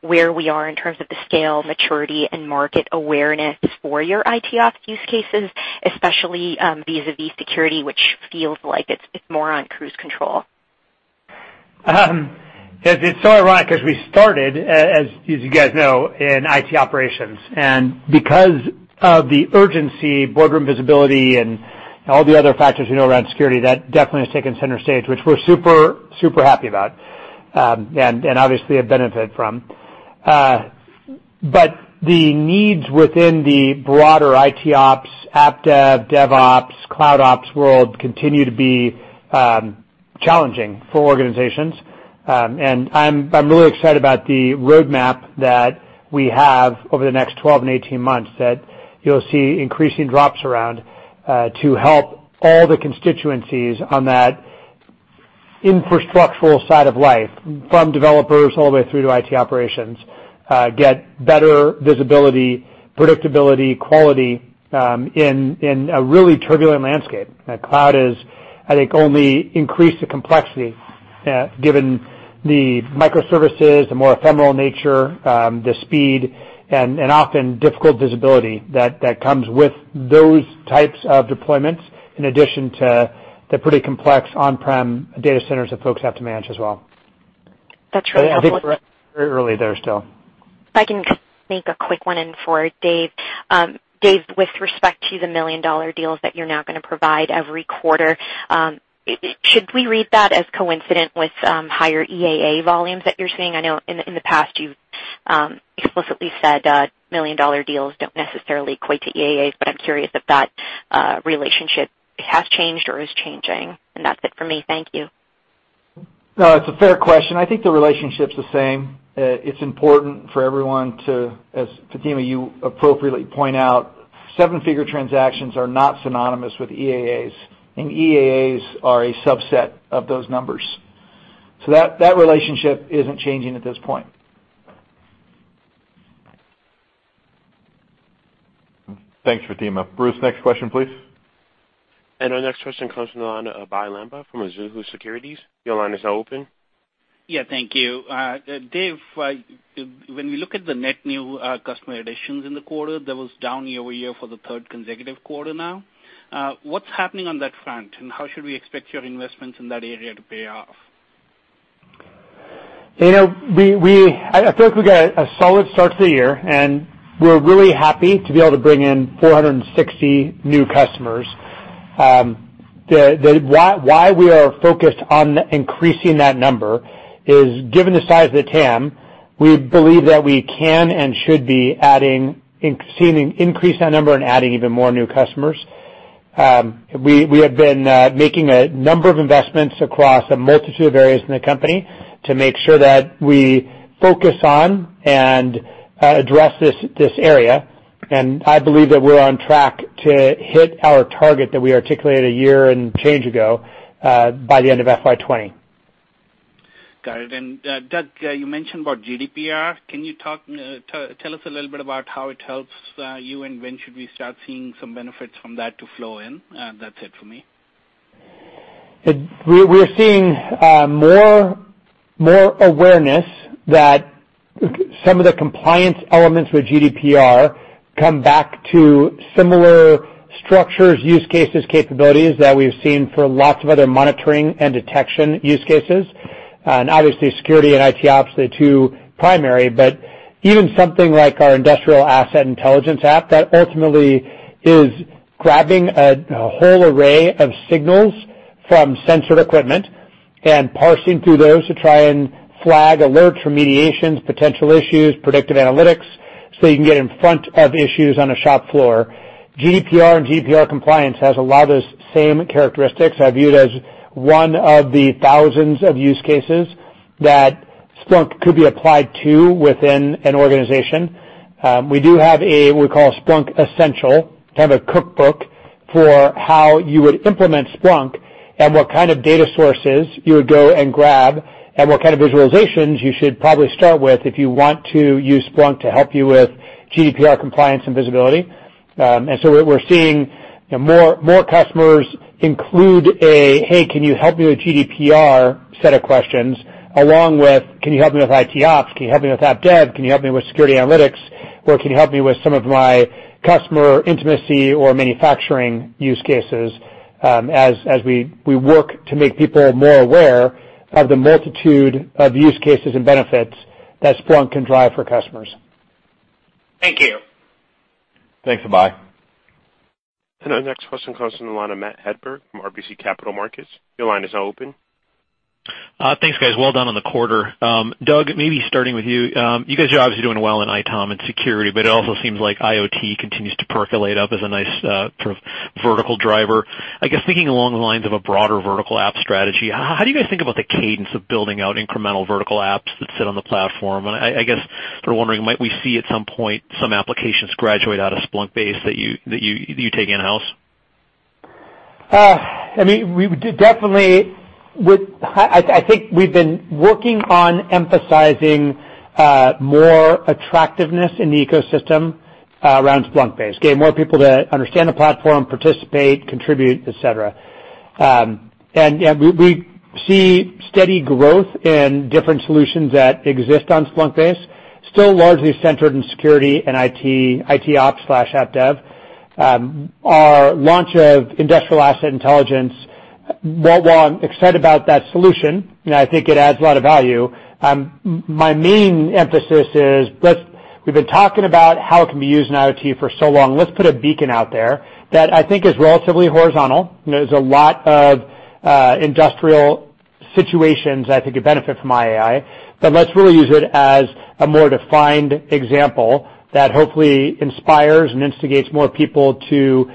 where we are in terms of the scale, maturity, and market awareness for your ITOps use cases, especially vis-a-vis security, which feels like it's more on cruise control. It's so ironic because we started, as you guys know, in IT operations, and because of the urgency, boardroom visibility, and all the other factors you know around security, that definitely has taken center stage, which we're super happy about, and obviously have benefited from. The needs within the broader ITOps, AppDev, DevOps, CloudOps world continue to be challenging for organizations. I'm really excited about the roadmap that we have over the next 12 and 18 months that you'll see increasing drops around to help all the constituencies on that infrastructural side of life, from developers all the way through to IT operations, get better visibility, predictability, quality in a really turbulent landscape. Cloud has, I think, only increased the complexity given the microservices, the more ephemeral nature, the speed, and often difficult visibility that comes with those types of deployments, in addition to the pretty complex on-prem data centers that folks have to manage as well. That's really helpful. I think we're very early there still. If I can sneak a quick one in for Dave. Dave, with respect to the million-dollar deals that you're now going to provide every quarter, should we read that as coincident with higher EAA volumes that you're seeing? I know in the past, you've explicitly said million-dollar deals don't necessarily equate to EAAs, but I'm curious if that relationship has changed or is changing. That's it for me. Thank you. It's a fair question. I think the relationship's the same. It's important for everyone to, as Fatima, you appropriately point out, seven-figure transactions are not synonymous with EAAs, and EAAs are a subset of those numbers. That relationship isn't changing at this point. Thanks, Fatima. Bruce, next question, please. Our next question comes from the line of Abhey Lamba from Mizuho Securities. Your line is now open. Yeah, thank you. Dave, when we look at the net new customer additions in the quarter, that was down year-over-year for the third consecutive quarter now. What's happening on that front, and how should we expect your investments in that area to pay off? I feel like we got a solid start to the year, and we're really happy to be able to bring in 460 new customers. Why we are focused on increasing that number is given the size of the TAM, we believe that we can and should be increasing that number and adding even more new customers. We have been making a number of investments across a multitude of areas in the company to make sure that we focus on and address this area. I believe that we're on track to hit our target that we articulated a year and change ago, by the end of FY 2020. Got it. Doug, you mentioned about GDPR. Can you tell us a little bit about how it helps you, and when should we start seeing some benefits from that to flow in? That's it for me. We're seeing more awareness that some of the compliance elements with GDPR come back to similar structures, use cases, capabilities that we've seen for lots of other monitoring and detection use cases. Obviously, security and ITOps are the two primary. Even something like our Splunk Industrial Asset Intelligence that ultimately is grabbing a whole array of signals from sensored equipment and parsing through those to try and flag alerts, remediations, potential issues, predictive analytics, so you can get in front of issues on a shop floor. GDPR and GDPR compliance has a lot of those same characteristics. I view it as one of the thousands of use cases that Splunk could be applied to within an organization. We do have a, we call Splunk Essentials, kind of a cookbook for how you would implement Splunk and what kind of data sources you would go and grab, and what kind of visualizations you should probably start with if you want to use Splunk to help you with GDPR compliance and visibility. We're seeing more customers include a, "Hey, can you help me with GDPR?" set of questions along with, "Can you help me with ITOps? Can you help me with app dev? Can you help me with security analytics? Can you help me with some of my customer intimacy or manufacturing use cases?" as we work to make people more aware of the multitude of use cases and benefits that Splunk can drive for customers. Thank you. Thanks, Abhey. Our next question comes from the line of Matthew Hedberg from RBC Capital Markets. Your line is now open. Thanks, guys. Well done on the quarter. Doug, maybe starting with you. You guys are obviously doing well in ITOM and security, but it also seems like IoT continues to percolate up as a nice sort of vertical driver. I guess thinking along the lines of a broader vertical app strategy, how do you guys think about the cadence of building out incremental vertical apps that sit on the platform? I guess sort of wondering, might we see at some point some applications graduate out of Splunkbase that you take in-house? I think we've been working on emphasizing more attractiveness in the ecosystem around Splunkbase, getting more people to understand the platform, participate, contribute, et cetera. We see steady growth in different solutions that exist on Splunkbase, still largely centered in security and ITOps/app dev. Our launch of Industrial Asset Intelligence, while I'm excited about that solution, I think it adds a lot of value, my main emphasis is we've been talking about how it can be used in IoT for so long. Let's put a beacon out there that I think is relatively horizontal. There's a lot of industrial situations that I think could benefit from IAI, but let's really use it as a more defined example that hopefully inspires and instigates more people to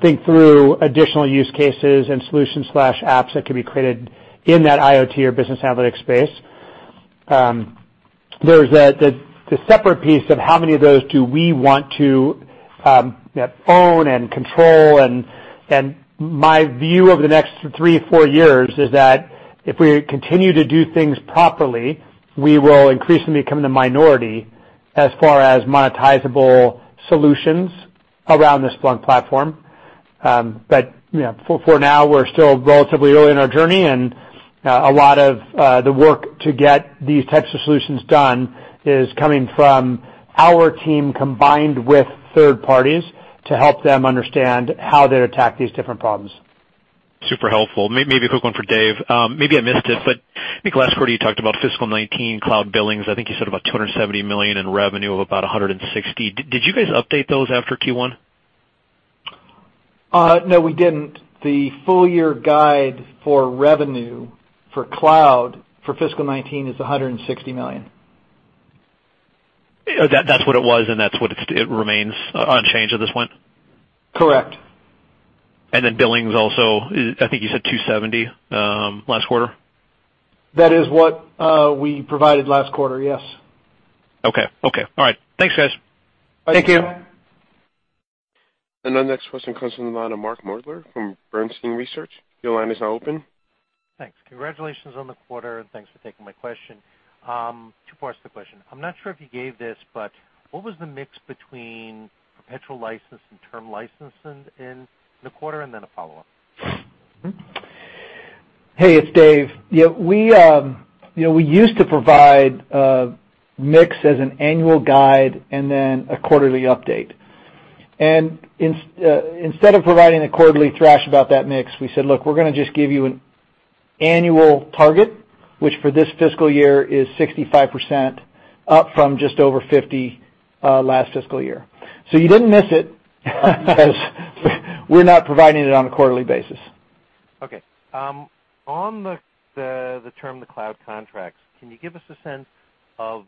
think through additional use cases and solution/apps that could be created in that IoT or business analytics space. There's the separate piece of how many of those do we want to own and control, my view over the next three, four years is that if we continue to do things properly, we will increasingly become the minority as far as monetizable solutions around the Splunk platform. For now, we're still relatively early in our journey, and a lot of the work to get these types of solutions done is coming from our team combined with third parties to help them understand how to attack these different problems. Super helpful. Maybe a quick one for Dave. I think last quarter you talked about fiscal 2019 cloud billings. I think you said about $270 million in revenue of about $160. Did you guys update those after Q1? No, we didn't. The full year guide for revenue for cloud for fiscal 2019 is $160 million. That's what it was, that's what it remains unchanged at this point? Correct. Billings also, I think you said $270, last quarter. That is what we provided last quarter, yes. Okay. All right. Thanks, guys. Thank you. Our next question comes from the line of Mark Moerdler from Bernstein Research. Your line is now open. Thanks. Congratulations on the quarter, thanks for taking my question. Two parts to the question. I'm not sure if you gave this, but what was the mix between perpetual license and term license in the quarter? A follow-up. Hey, it's Dave. We used to provide a mix as an annual guide a quarterly update. Instead of providing a quarterly thrash about that mix, we said, "Look, we're going to just give you an annual target," which for this fiscal year is 65%, up from just over 50, last fiscal year. You didn't miss it because we're not providing it on a quarterly basis. Okay. On the term, the cloud contracts, can you give us a sense of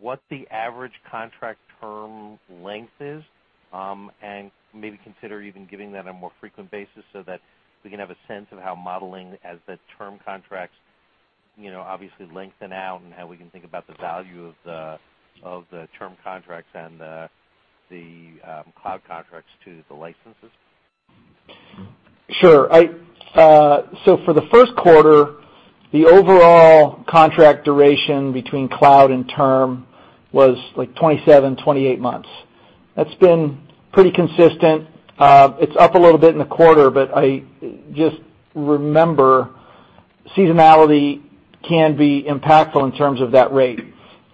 what the average contract term length is? Maybe consider even giving that on a more frequent basis so that we can have a sense of how modeling as the term contracts obviously lengthen out, how we can think about the value of the term contracts and the cloud contracts to the licenses. Sure. For the first quarter, the overall contract duration between cloud and term was 27, 28 months. That's been pretty consistent. It's up a little bit in the quarter. Just remember, seasonality can be impactful in terms of that rate.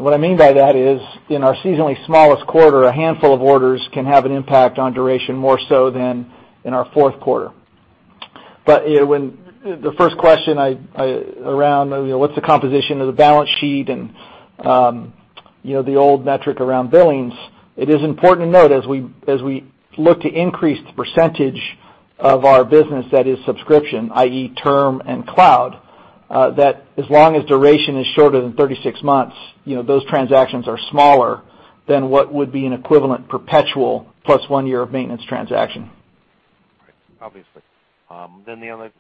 What I mean by that is, in our seasonally smallest quarter, a handful of orders can have an impact on duration, more so than in our fourth quarter. The first question around what's the composition of the balance sheet and the old metric around billings, it is important to note as we look to increase the percentage of our business that is subscription, i.e., term and cloud, that as long as duration is shorter than 36 months, those transactions are smaller than what would be an equivalent perpetual plus one year of maintenance transaction. Right. Obviously.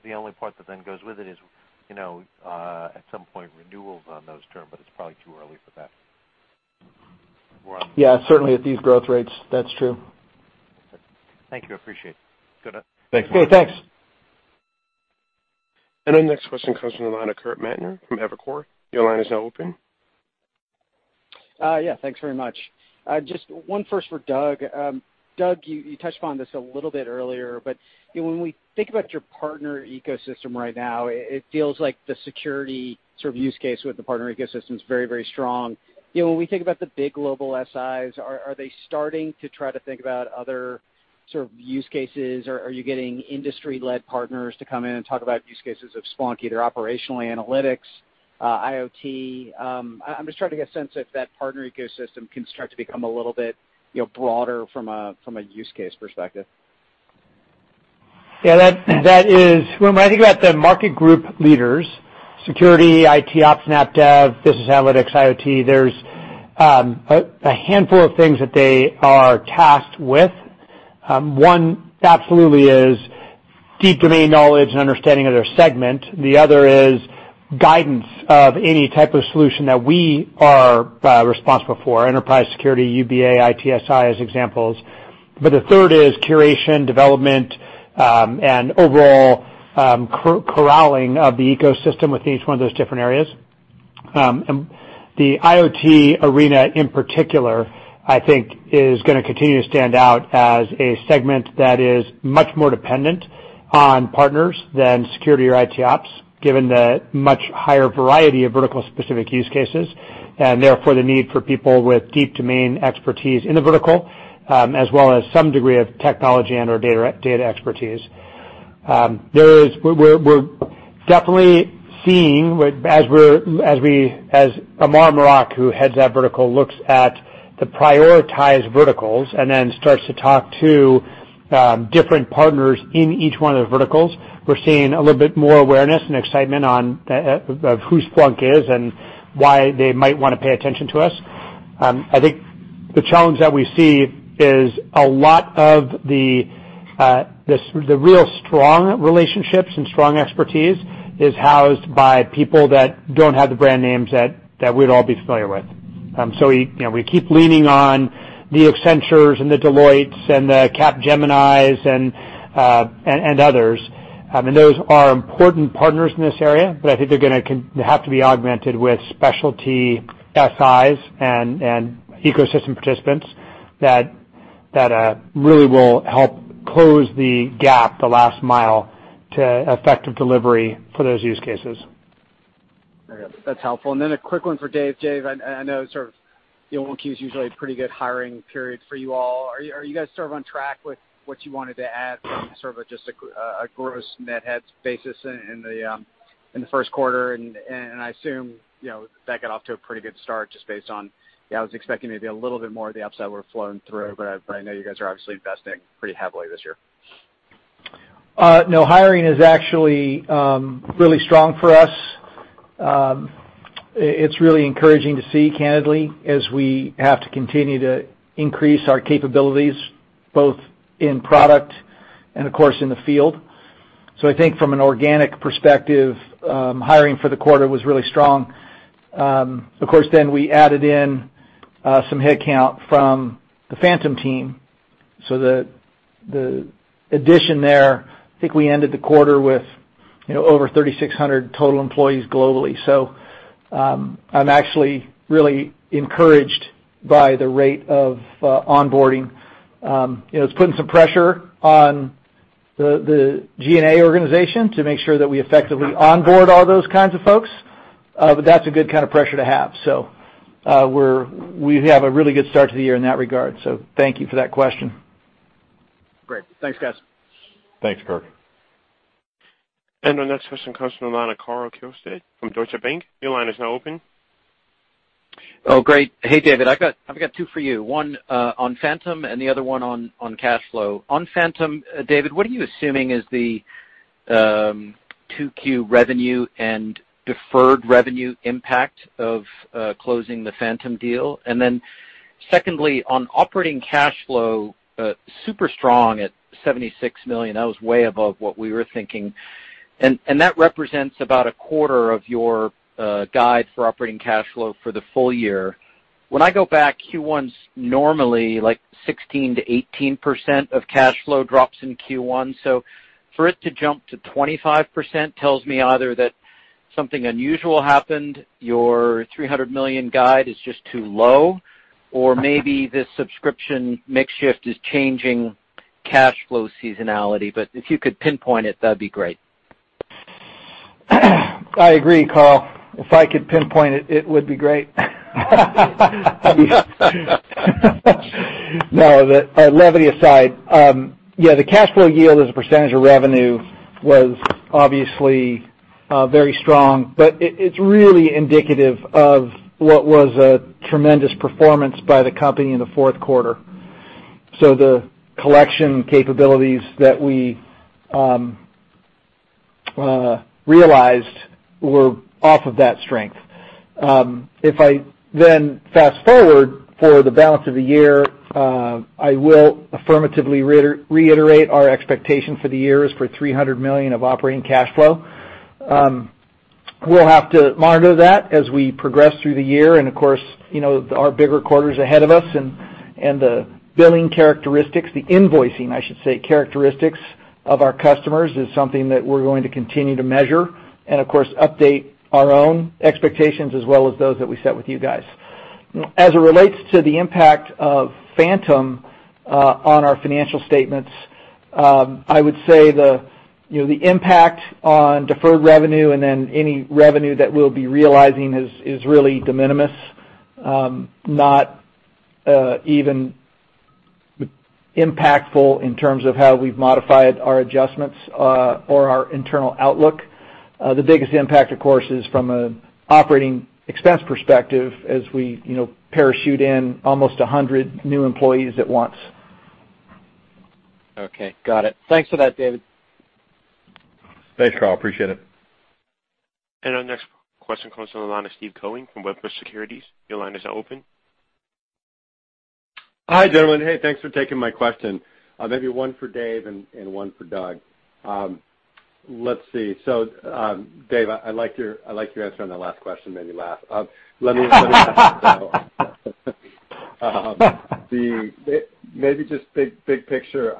The only part that then goes with it is, at some point, renewals on those term. It's probably too early for that. Yeah. Certainly at these growth rates. That's true. Thank you. I appreciate it. Good night. Okay, thanks. Our next question comes from the line of Kirk Materne from Evercore. Your line is now open. Yeah. Thanks very much. Just one first for Doug. Doug, you touched upon this a little bit earlier, but when we think about your partner ecosystem right now, it feels like the security use case with the partner ecosystem is very strong. When we think about the big global SIs, are they starting to try to think about other sort of use cases? Or are you getting industry-led partners to come in and talk about use cases of Splunk, either operational analytics, IoT? I'm just trying to get a sense if that partner ecosystem can start to become a little bit broader from a use case perspective. Yeah, when I think about the market group leaders, security, ITOps, NetDev, business analytics, IoT, there's a handful of things that they are tasked with. One absolutely is deep domain knowledge and understanding of their segment. The other is guidance of any type of solution that we are responsible for, Enterprise Security, UBA, ITSI as examples. The third is curation, development, and overall corralling of the ecosystem within each one of those different areas. The IoT arena in particular, I think, is going to continue to stand out as a segment that is much more dependent on partners than security or ITOps, given the much higher variety of vertical specific use cases, and therefore the need for people with deep domain expertise in the vertical, as well as some degree of technology and/or data expertise. We're definitely seeing as Amar Mrock, who heads that vertical, looks at the prioritized verticals and then starts to talk to different partners in each one of those verticals. We're seeing a little bit more awareness and excitement of who Splunk is and why they might want to pay attention to us. I think the challenge that we see is a lot of the real strong relationships and strong expertise is housed by people that don't have the brand names that we'd all be familiar with. We keep leaning on the Accentures and the Deloittes and the Capgeminis and others. Those are important partners in this area, but I think they have to be augmented with specialty SIs and ecosystem participants that really will help close the gap, the last mile to effective delivery for those use cases. That's helpful. Then a quick one for Dave. Dave, I know Q1 is usually a pretty good hiring period for you all. Are you guys on track with what you wanted to add from just a gross net heads basis in the first quarter? I assume that got off to a pretty good start just based on, I was expecting maybe a little bit more of the upside were flowing through, but I know you guys are obviously investing pretty heavily this year. No, hiring is actually really strong for us. It's really encouraging to see, candidly, as we have to continue to increase our capabilities both in product and, of course, in the field. I think from an organic perspective, hiring for the quarter was really strong. We added in some headcount from the Phantom team. The addition there, I think we ended the quarter with over 3,600 total employees globally. I'm actually really encouraged by the rate of onboarding. It's putting some pressure on the G&A organization to make sure that we effectively onboard all those kinds of folks. That's a good kind of pressure to have. We have a really good start to the year in that regard. Thank you for that question. Great. Thanks, guys. Thanks, Kirk. Our next question comes from the line of Karl Keirstead from Deutsche Bank. Your line is now open. Great. Hey, David. I've got two for you, one on Phantom and the other one on cash flow. On Phantom, David, what are you assuming is the 2Q revenue and deferred revenue impact of closing the Phantom deal? Secondly, on operating cash flow, super strong at $76 million. That was way above what we were thinking. That represents about a quarter of your guide for operating cash flow for the full year. When I go back, Q1's normally like 16%-18% of cash flow drops in Q1. For it to jump to 25% tells me either that something unusual happened, your $300 million guide is just too low, or maybe this subscription mix shift is changing cash flow seasonality. If you could pinpoint it, that'd be great. I agree, Karl. If I could pinpoint it would be great. Levity aside, the cash flow yield as a percentage of revenue was obviously very strong, but it's really indicative of what was a tremendous performance by the company in the fourth quarter. The collection capabilities that we realized were off of that strength. If I then fast-forward for the balance of the year, I will affirmatively reiterate our expectation for the year is for $300 million of operating cash flow. We'll have to monitor that as we progress through the year. Of course, our bigger quarter's ahead of us and the billing characteristics, the invoicing, I should say, characteristics of our customers is something that we're going to continue to measure and, of course, update our own expectations as well as those that we set with you guys. As it relates to the impact of Phantom on our financial statements, I would say the impact on deferred revenue and then any revenue that we'll be realizing is really de minimis, not even impactful in terms of how we've modified our adjustments or our internal outlook. The biggest impact, of course, is from an operating expense perspective as we parachute in almost 100 new employees at once. Okay, got it. Thanks for that, David. Thanks, Karl, appreciate it. Our next question comes from the line of Steve Koenig from Wedbush Securities. Your line is now open. Hi, gentlemen. Hey, thanks for taking my question. Maybe one for David and one for Doug. Let's see. David, I liked your answer on that last question, made me laugh. Maybe just big picture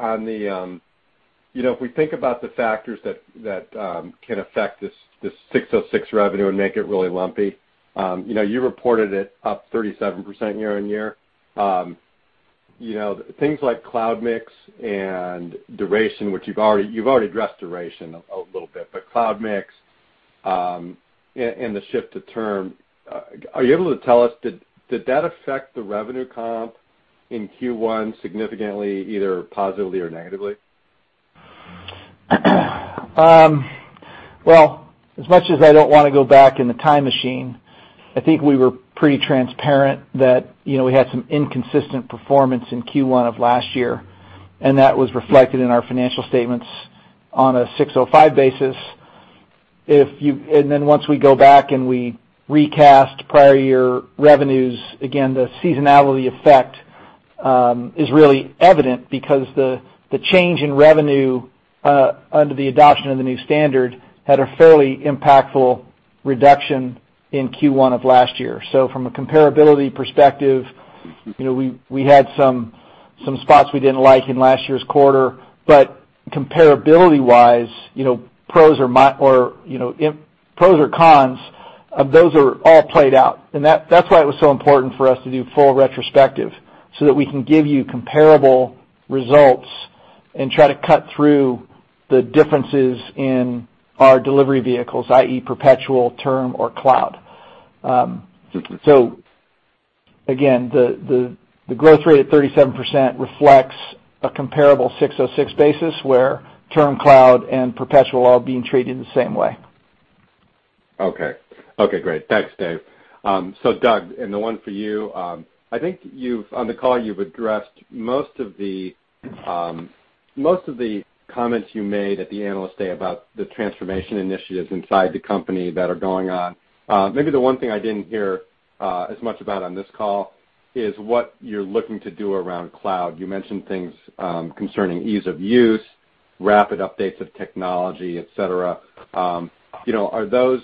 if we think about the factors that can affect this 606 revenue and make it really lumpy. You reported it up 37% year-on-year. Things like cloud mix and duration, which you've already addressed duration a little bit, but cloud mix and the shift to term, are you able to tell us, did that affect the revenue comp in Q1 significantly, either positively or negatively? Well, as much as I don't want to go back in the time machine, I think we were pretty transparent that we had some inconsistent performance in Q1 of last year, and that was reflected in our financial statements on a 605 basis. Once we go back and we recast prior year revenues, again, the seasonality effect is really evident because the change in revenue under the adoption of the new standard had a fairly impactful reduction in Q1 of last year. From a comparability perspective, we had some spots we didn't like in last year's quarter, but comparability-wise, pros or cons, those are all played out. That's why it was so important for us to do full retrospective so that we can give you comparable results and try to cut through the differences in our delivery vehicles, i.e., perpetual term or cloud. Again, the growth rate at 37% reflects a comparable 606 basis where term cloud and perpetual are all being treated the same way. Okay. Okay, great. Thanks, David. Doug, and the one for you, I think on the call you've addressed most of the comments you made at the Analyst Day about the transformation initiatives inside the company that are going on. Maybe the one thing I didn't hear as much about on this call is what you're looking to do around cloud. You mentioned things concerning ease of use, rapid updates of technology, et cetera. Are those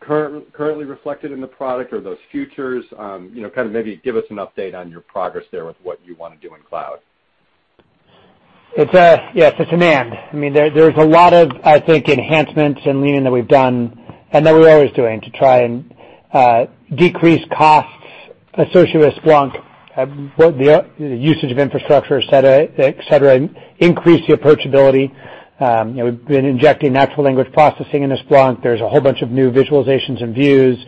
currently reflected in the product? Are those futures? Kind of maybe give us an update on your progress there with what you want to do in cloud. Yes. It's a demand. There's a lot of, I think, enhancements and leaning that we've done and that we're always doing to try and decrease costs associated with Splunk, both the usage of infrastructure, et cetera, and increase the approachability. We've been injecting natural language processing into Splunk. There's a whole bunch of new visualizations and views.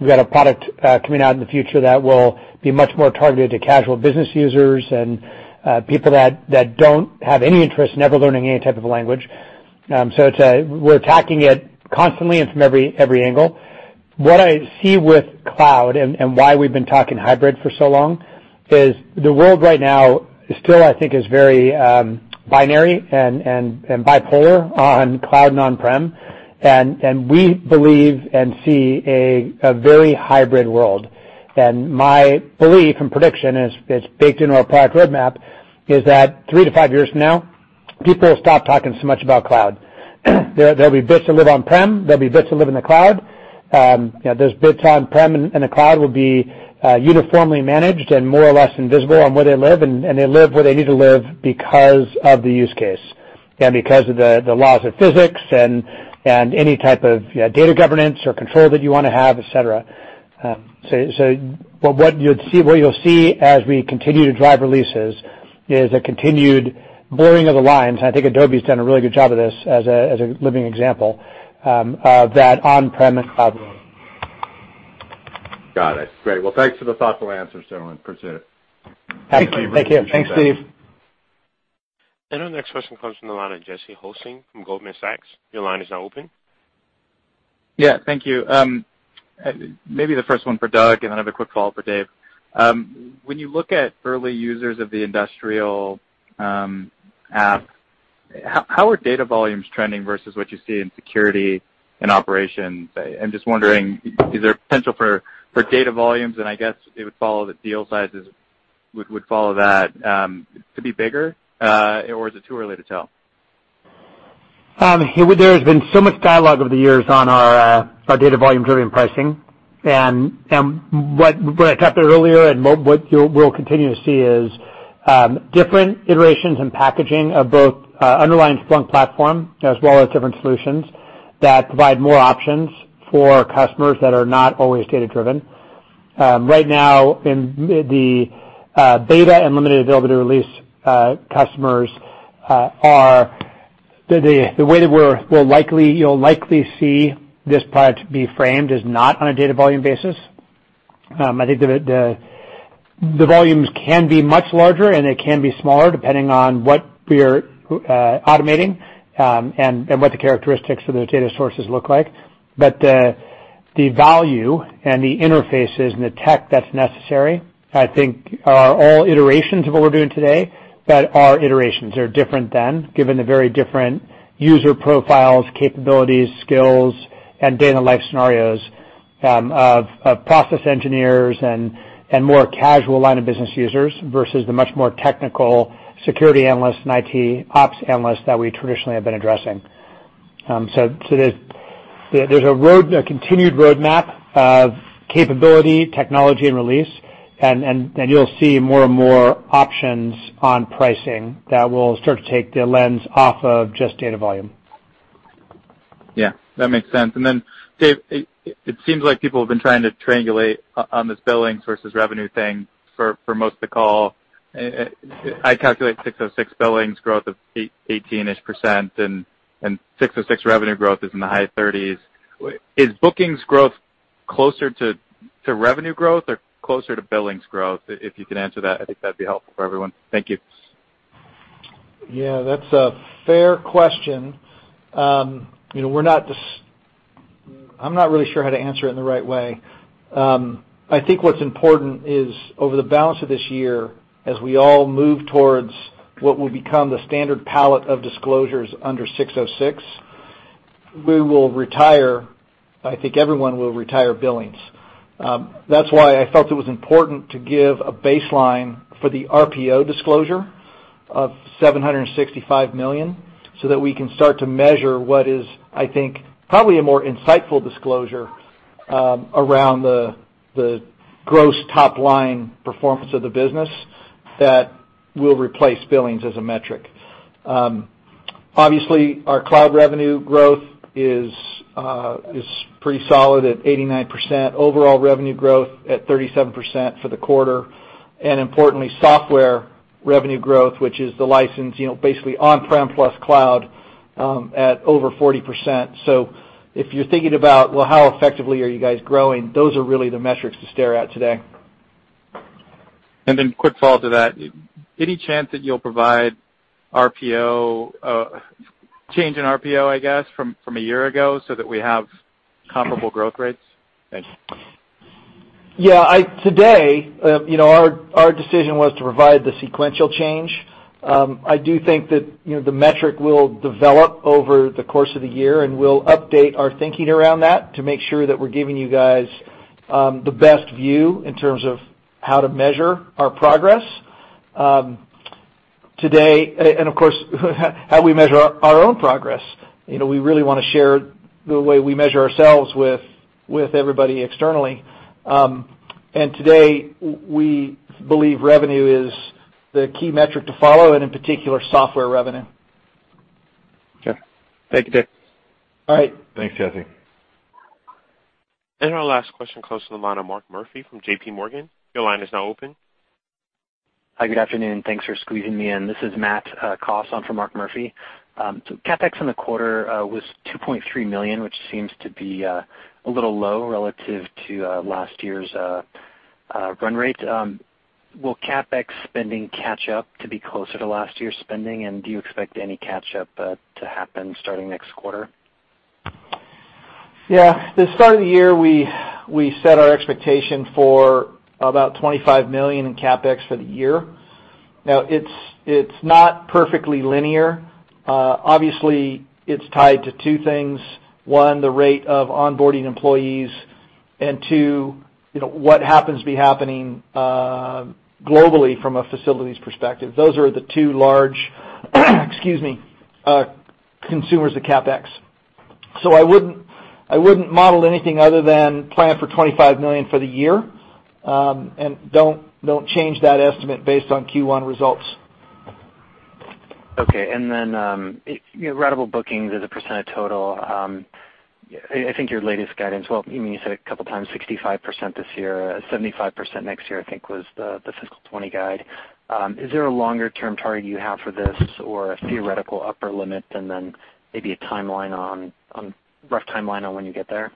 We've got a product coming out in the future that will be much more targeted to casual business users and people that don't have any interest in ever learning any type of language. We're attacking it constantly and from every angle. What I see with cloud and why we've been talking hybrid for so long is the world right now still, I think, is very binary and bipolar on cloud on-prem, and we believe and see a very hybrid world. My belief and prediction, and it's baked into our product roadmap, is that three to five years from now, people will stop talking so much about cloud. There'll be bits that live on-prem, there'll be bits that live in the cloud. Those bits on-prem and the cloud will be uniformly managed and more or less invisible on where they live, and they live where they need to live because of the use case and because of the laws of physics and any type of data governance or control that you want to have, et cetera. What you'll see as we continue to drive releases is a continued blurring of the lines, I think Adobe's done a really good job of this as a living example, of that on-prem and cloud world. Got it. Great. Well, thanks for the thoughtful answers, gentlemen. Appreciate it. Thank you. Take care. Thanks, Steve. Our next question comes from the line of Jesse Hulsing from Goldman Sachs. Your line is now open. Yeah, thank you. Maybe the first one for Doug, then I have a quick follow-up for Dave. When you look at early users of the industrial app, how are data volumes trending versus what you see in security and operations? I'm just wondering, is there potential for data volumes, and I guess it would follow the deal sizes would follow that to be bigger? Is it too early to tell? There has been so much dialogue over the years on our data volume-driven pricing. What I talked about earlier and what you'll continue to see is different iterations and packaging of both underlying Splunk platform as well as different solutions that provide more options for customers that are not always data-driven. Right now, in the beta and limited availability release customers are the way that you'll likely see this product be framed is not on a data volume basis. I think the volumes can be much larger, and they can be smaller depending on what we are automating and what the characteristics of those data sources look like. The value and the interfaces and the tech that's necessary, I think are all iterations of what we're doing today, but are iterations. They're different than, given the very different user profiles, capabilities, skills, and day-in-the-life scenarios of process engineers and more casual line of business users versus the much more technical security analysts and ITOps analysts that we traditionally have been addressing. There's a continued roadmap of capability, technology, and release, and you'll see more and more options on pricing that will start to take the lens off of just data volume. Yeah, that makes sense. Dave, it seems like people have been trying to triangulate on this billings versus revenue thing for most of the call. I calculate 606 billings growth of 18-ish% and 606 revenue growth is in the high 30s. Is bookings growth closer to revenue growth or closer to billings growth? If you could answer that, I think that'd be helpful for everyone. Thank you. Yeah, that's a fair question. I'm not really sure how to answer it in the right way. I think what's important is over the balance of this year, as we all move towards what will become the standard palette of disclosures under 606, we will retire, I think everyone will retire billings. That's why I felt it was important to give a baseline for the RPO disclosure of $765 million so that we can start to measure what is, I think, probably a more insightful disclosure around the gross top-line performance of the business that will replace billings as a metric. Obviously, our cloud revenue growth is pretty solid at 89%, overall revenue growth at 37% for the quarter, and importantly, software revenue growth, which is the license, basically on-prem plus cloud, at over 40%. If you're thinking about, "Well, how effectively are you guys growing?" Those are really the metrics to stare at today. Quick follow to that, any chance that you'll provide change in RPO, I guess, from a year ago so that we have comparable growth rates? Thanks. Yeah. Today, our decision was to provide the sequential change. I do think that the metric will develop over the course of the year, and we'll update our thinking around that to make sure that we're giving you guys the best view in terms of how to measure our progress. Of course, how we measure our own progress. We really want to share the way we measure ourselves with everybody externally. Today, we believe revenue is the key metric to follow, and in particular, software revenue. Okay. Thank you, Dave. All right. Thanks, Jesse. Our last question comes from the line of Mark Murphy from JPMorgan. Your line is now open. Hi. Good afternoon. Thanks for squeezing me in. This is Matthew Costa on for Mark Murphy. CapEx in the quarter was $2.3 million, which seems to be a little low relative to last year's run rate. Will CapEx spending catch up to be closer to last year's spending? Do you expect any catch-up to happen starting next quarter? Yeah. The start of the year, we set our expectation for about $25 million in CapEx for the year. Now it's not perfectly linear. Obviously, it's tied to two things. One, the rate of onboarding employees, and two, what happens to be happening globally from a facilities perspective. Those are the two large excuse me, consumers of CapEx. I wouldn't model anything other than plan for $25 million for the year. Don't change that estimate based on Q1 results. Okay. Then, rentable bookings as a % of total, I think your latest guidance, well, you said a couple of times, 65% this year, 75% next year, I think was the fiscal 2020 guide. Is there a longer-term target you have for this or a theoretical upper limit? Then maybe a rough timeline on when you get there?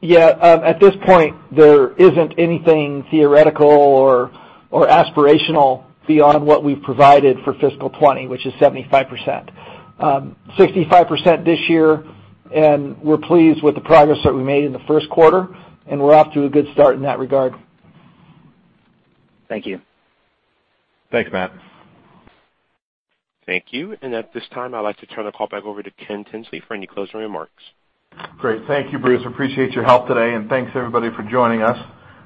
Yeah. At this point, there isn't anything theoretical or aspirational beyond what we've provided for fiscal 2020, which is 75%. 65% this year, and we're pleased with the progress that we made in the first quarter, and we're off to a good start in that regard. Thank you. Thanks, Matt. Thank you. At this time, I'd like to turn the call back over to Ken Tinsley for any closing remarks. Great. Thank you, Bruce. Appreciate your help today, and thanks everybody for joining us.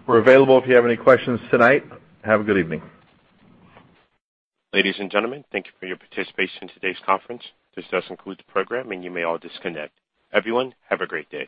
We're available if you have any questions tonight. Have a good evening. Ladies and gentlemen, thank you for your participation in today's conference. This does conclude the program, and you may all disconnect. Everyone, have a great day.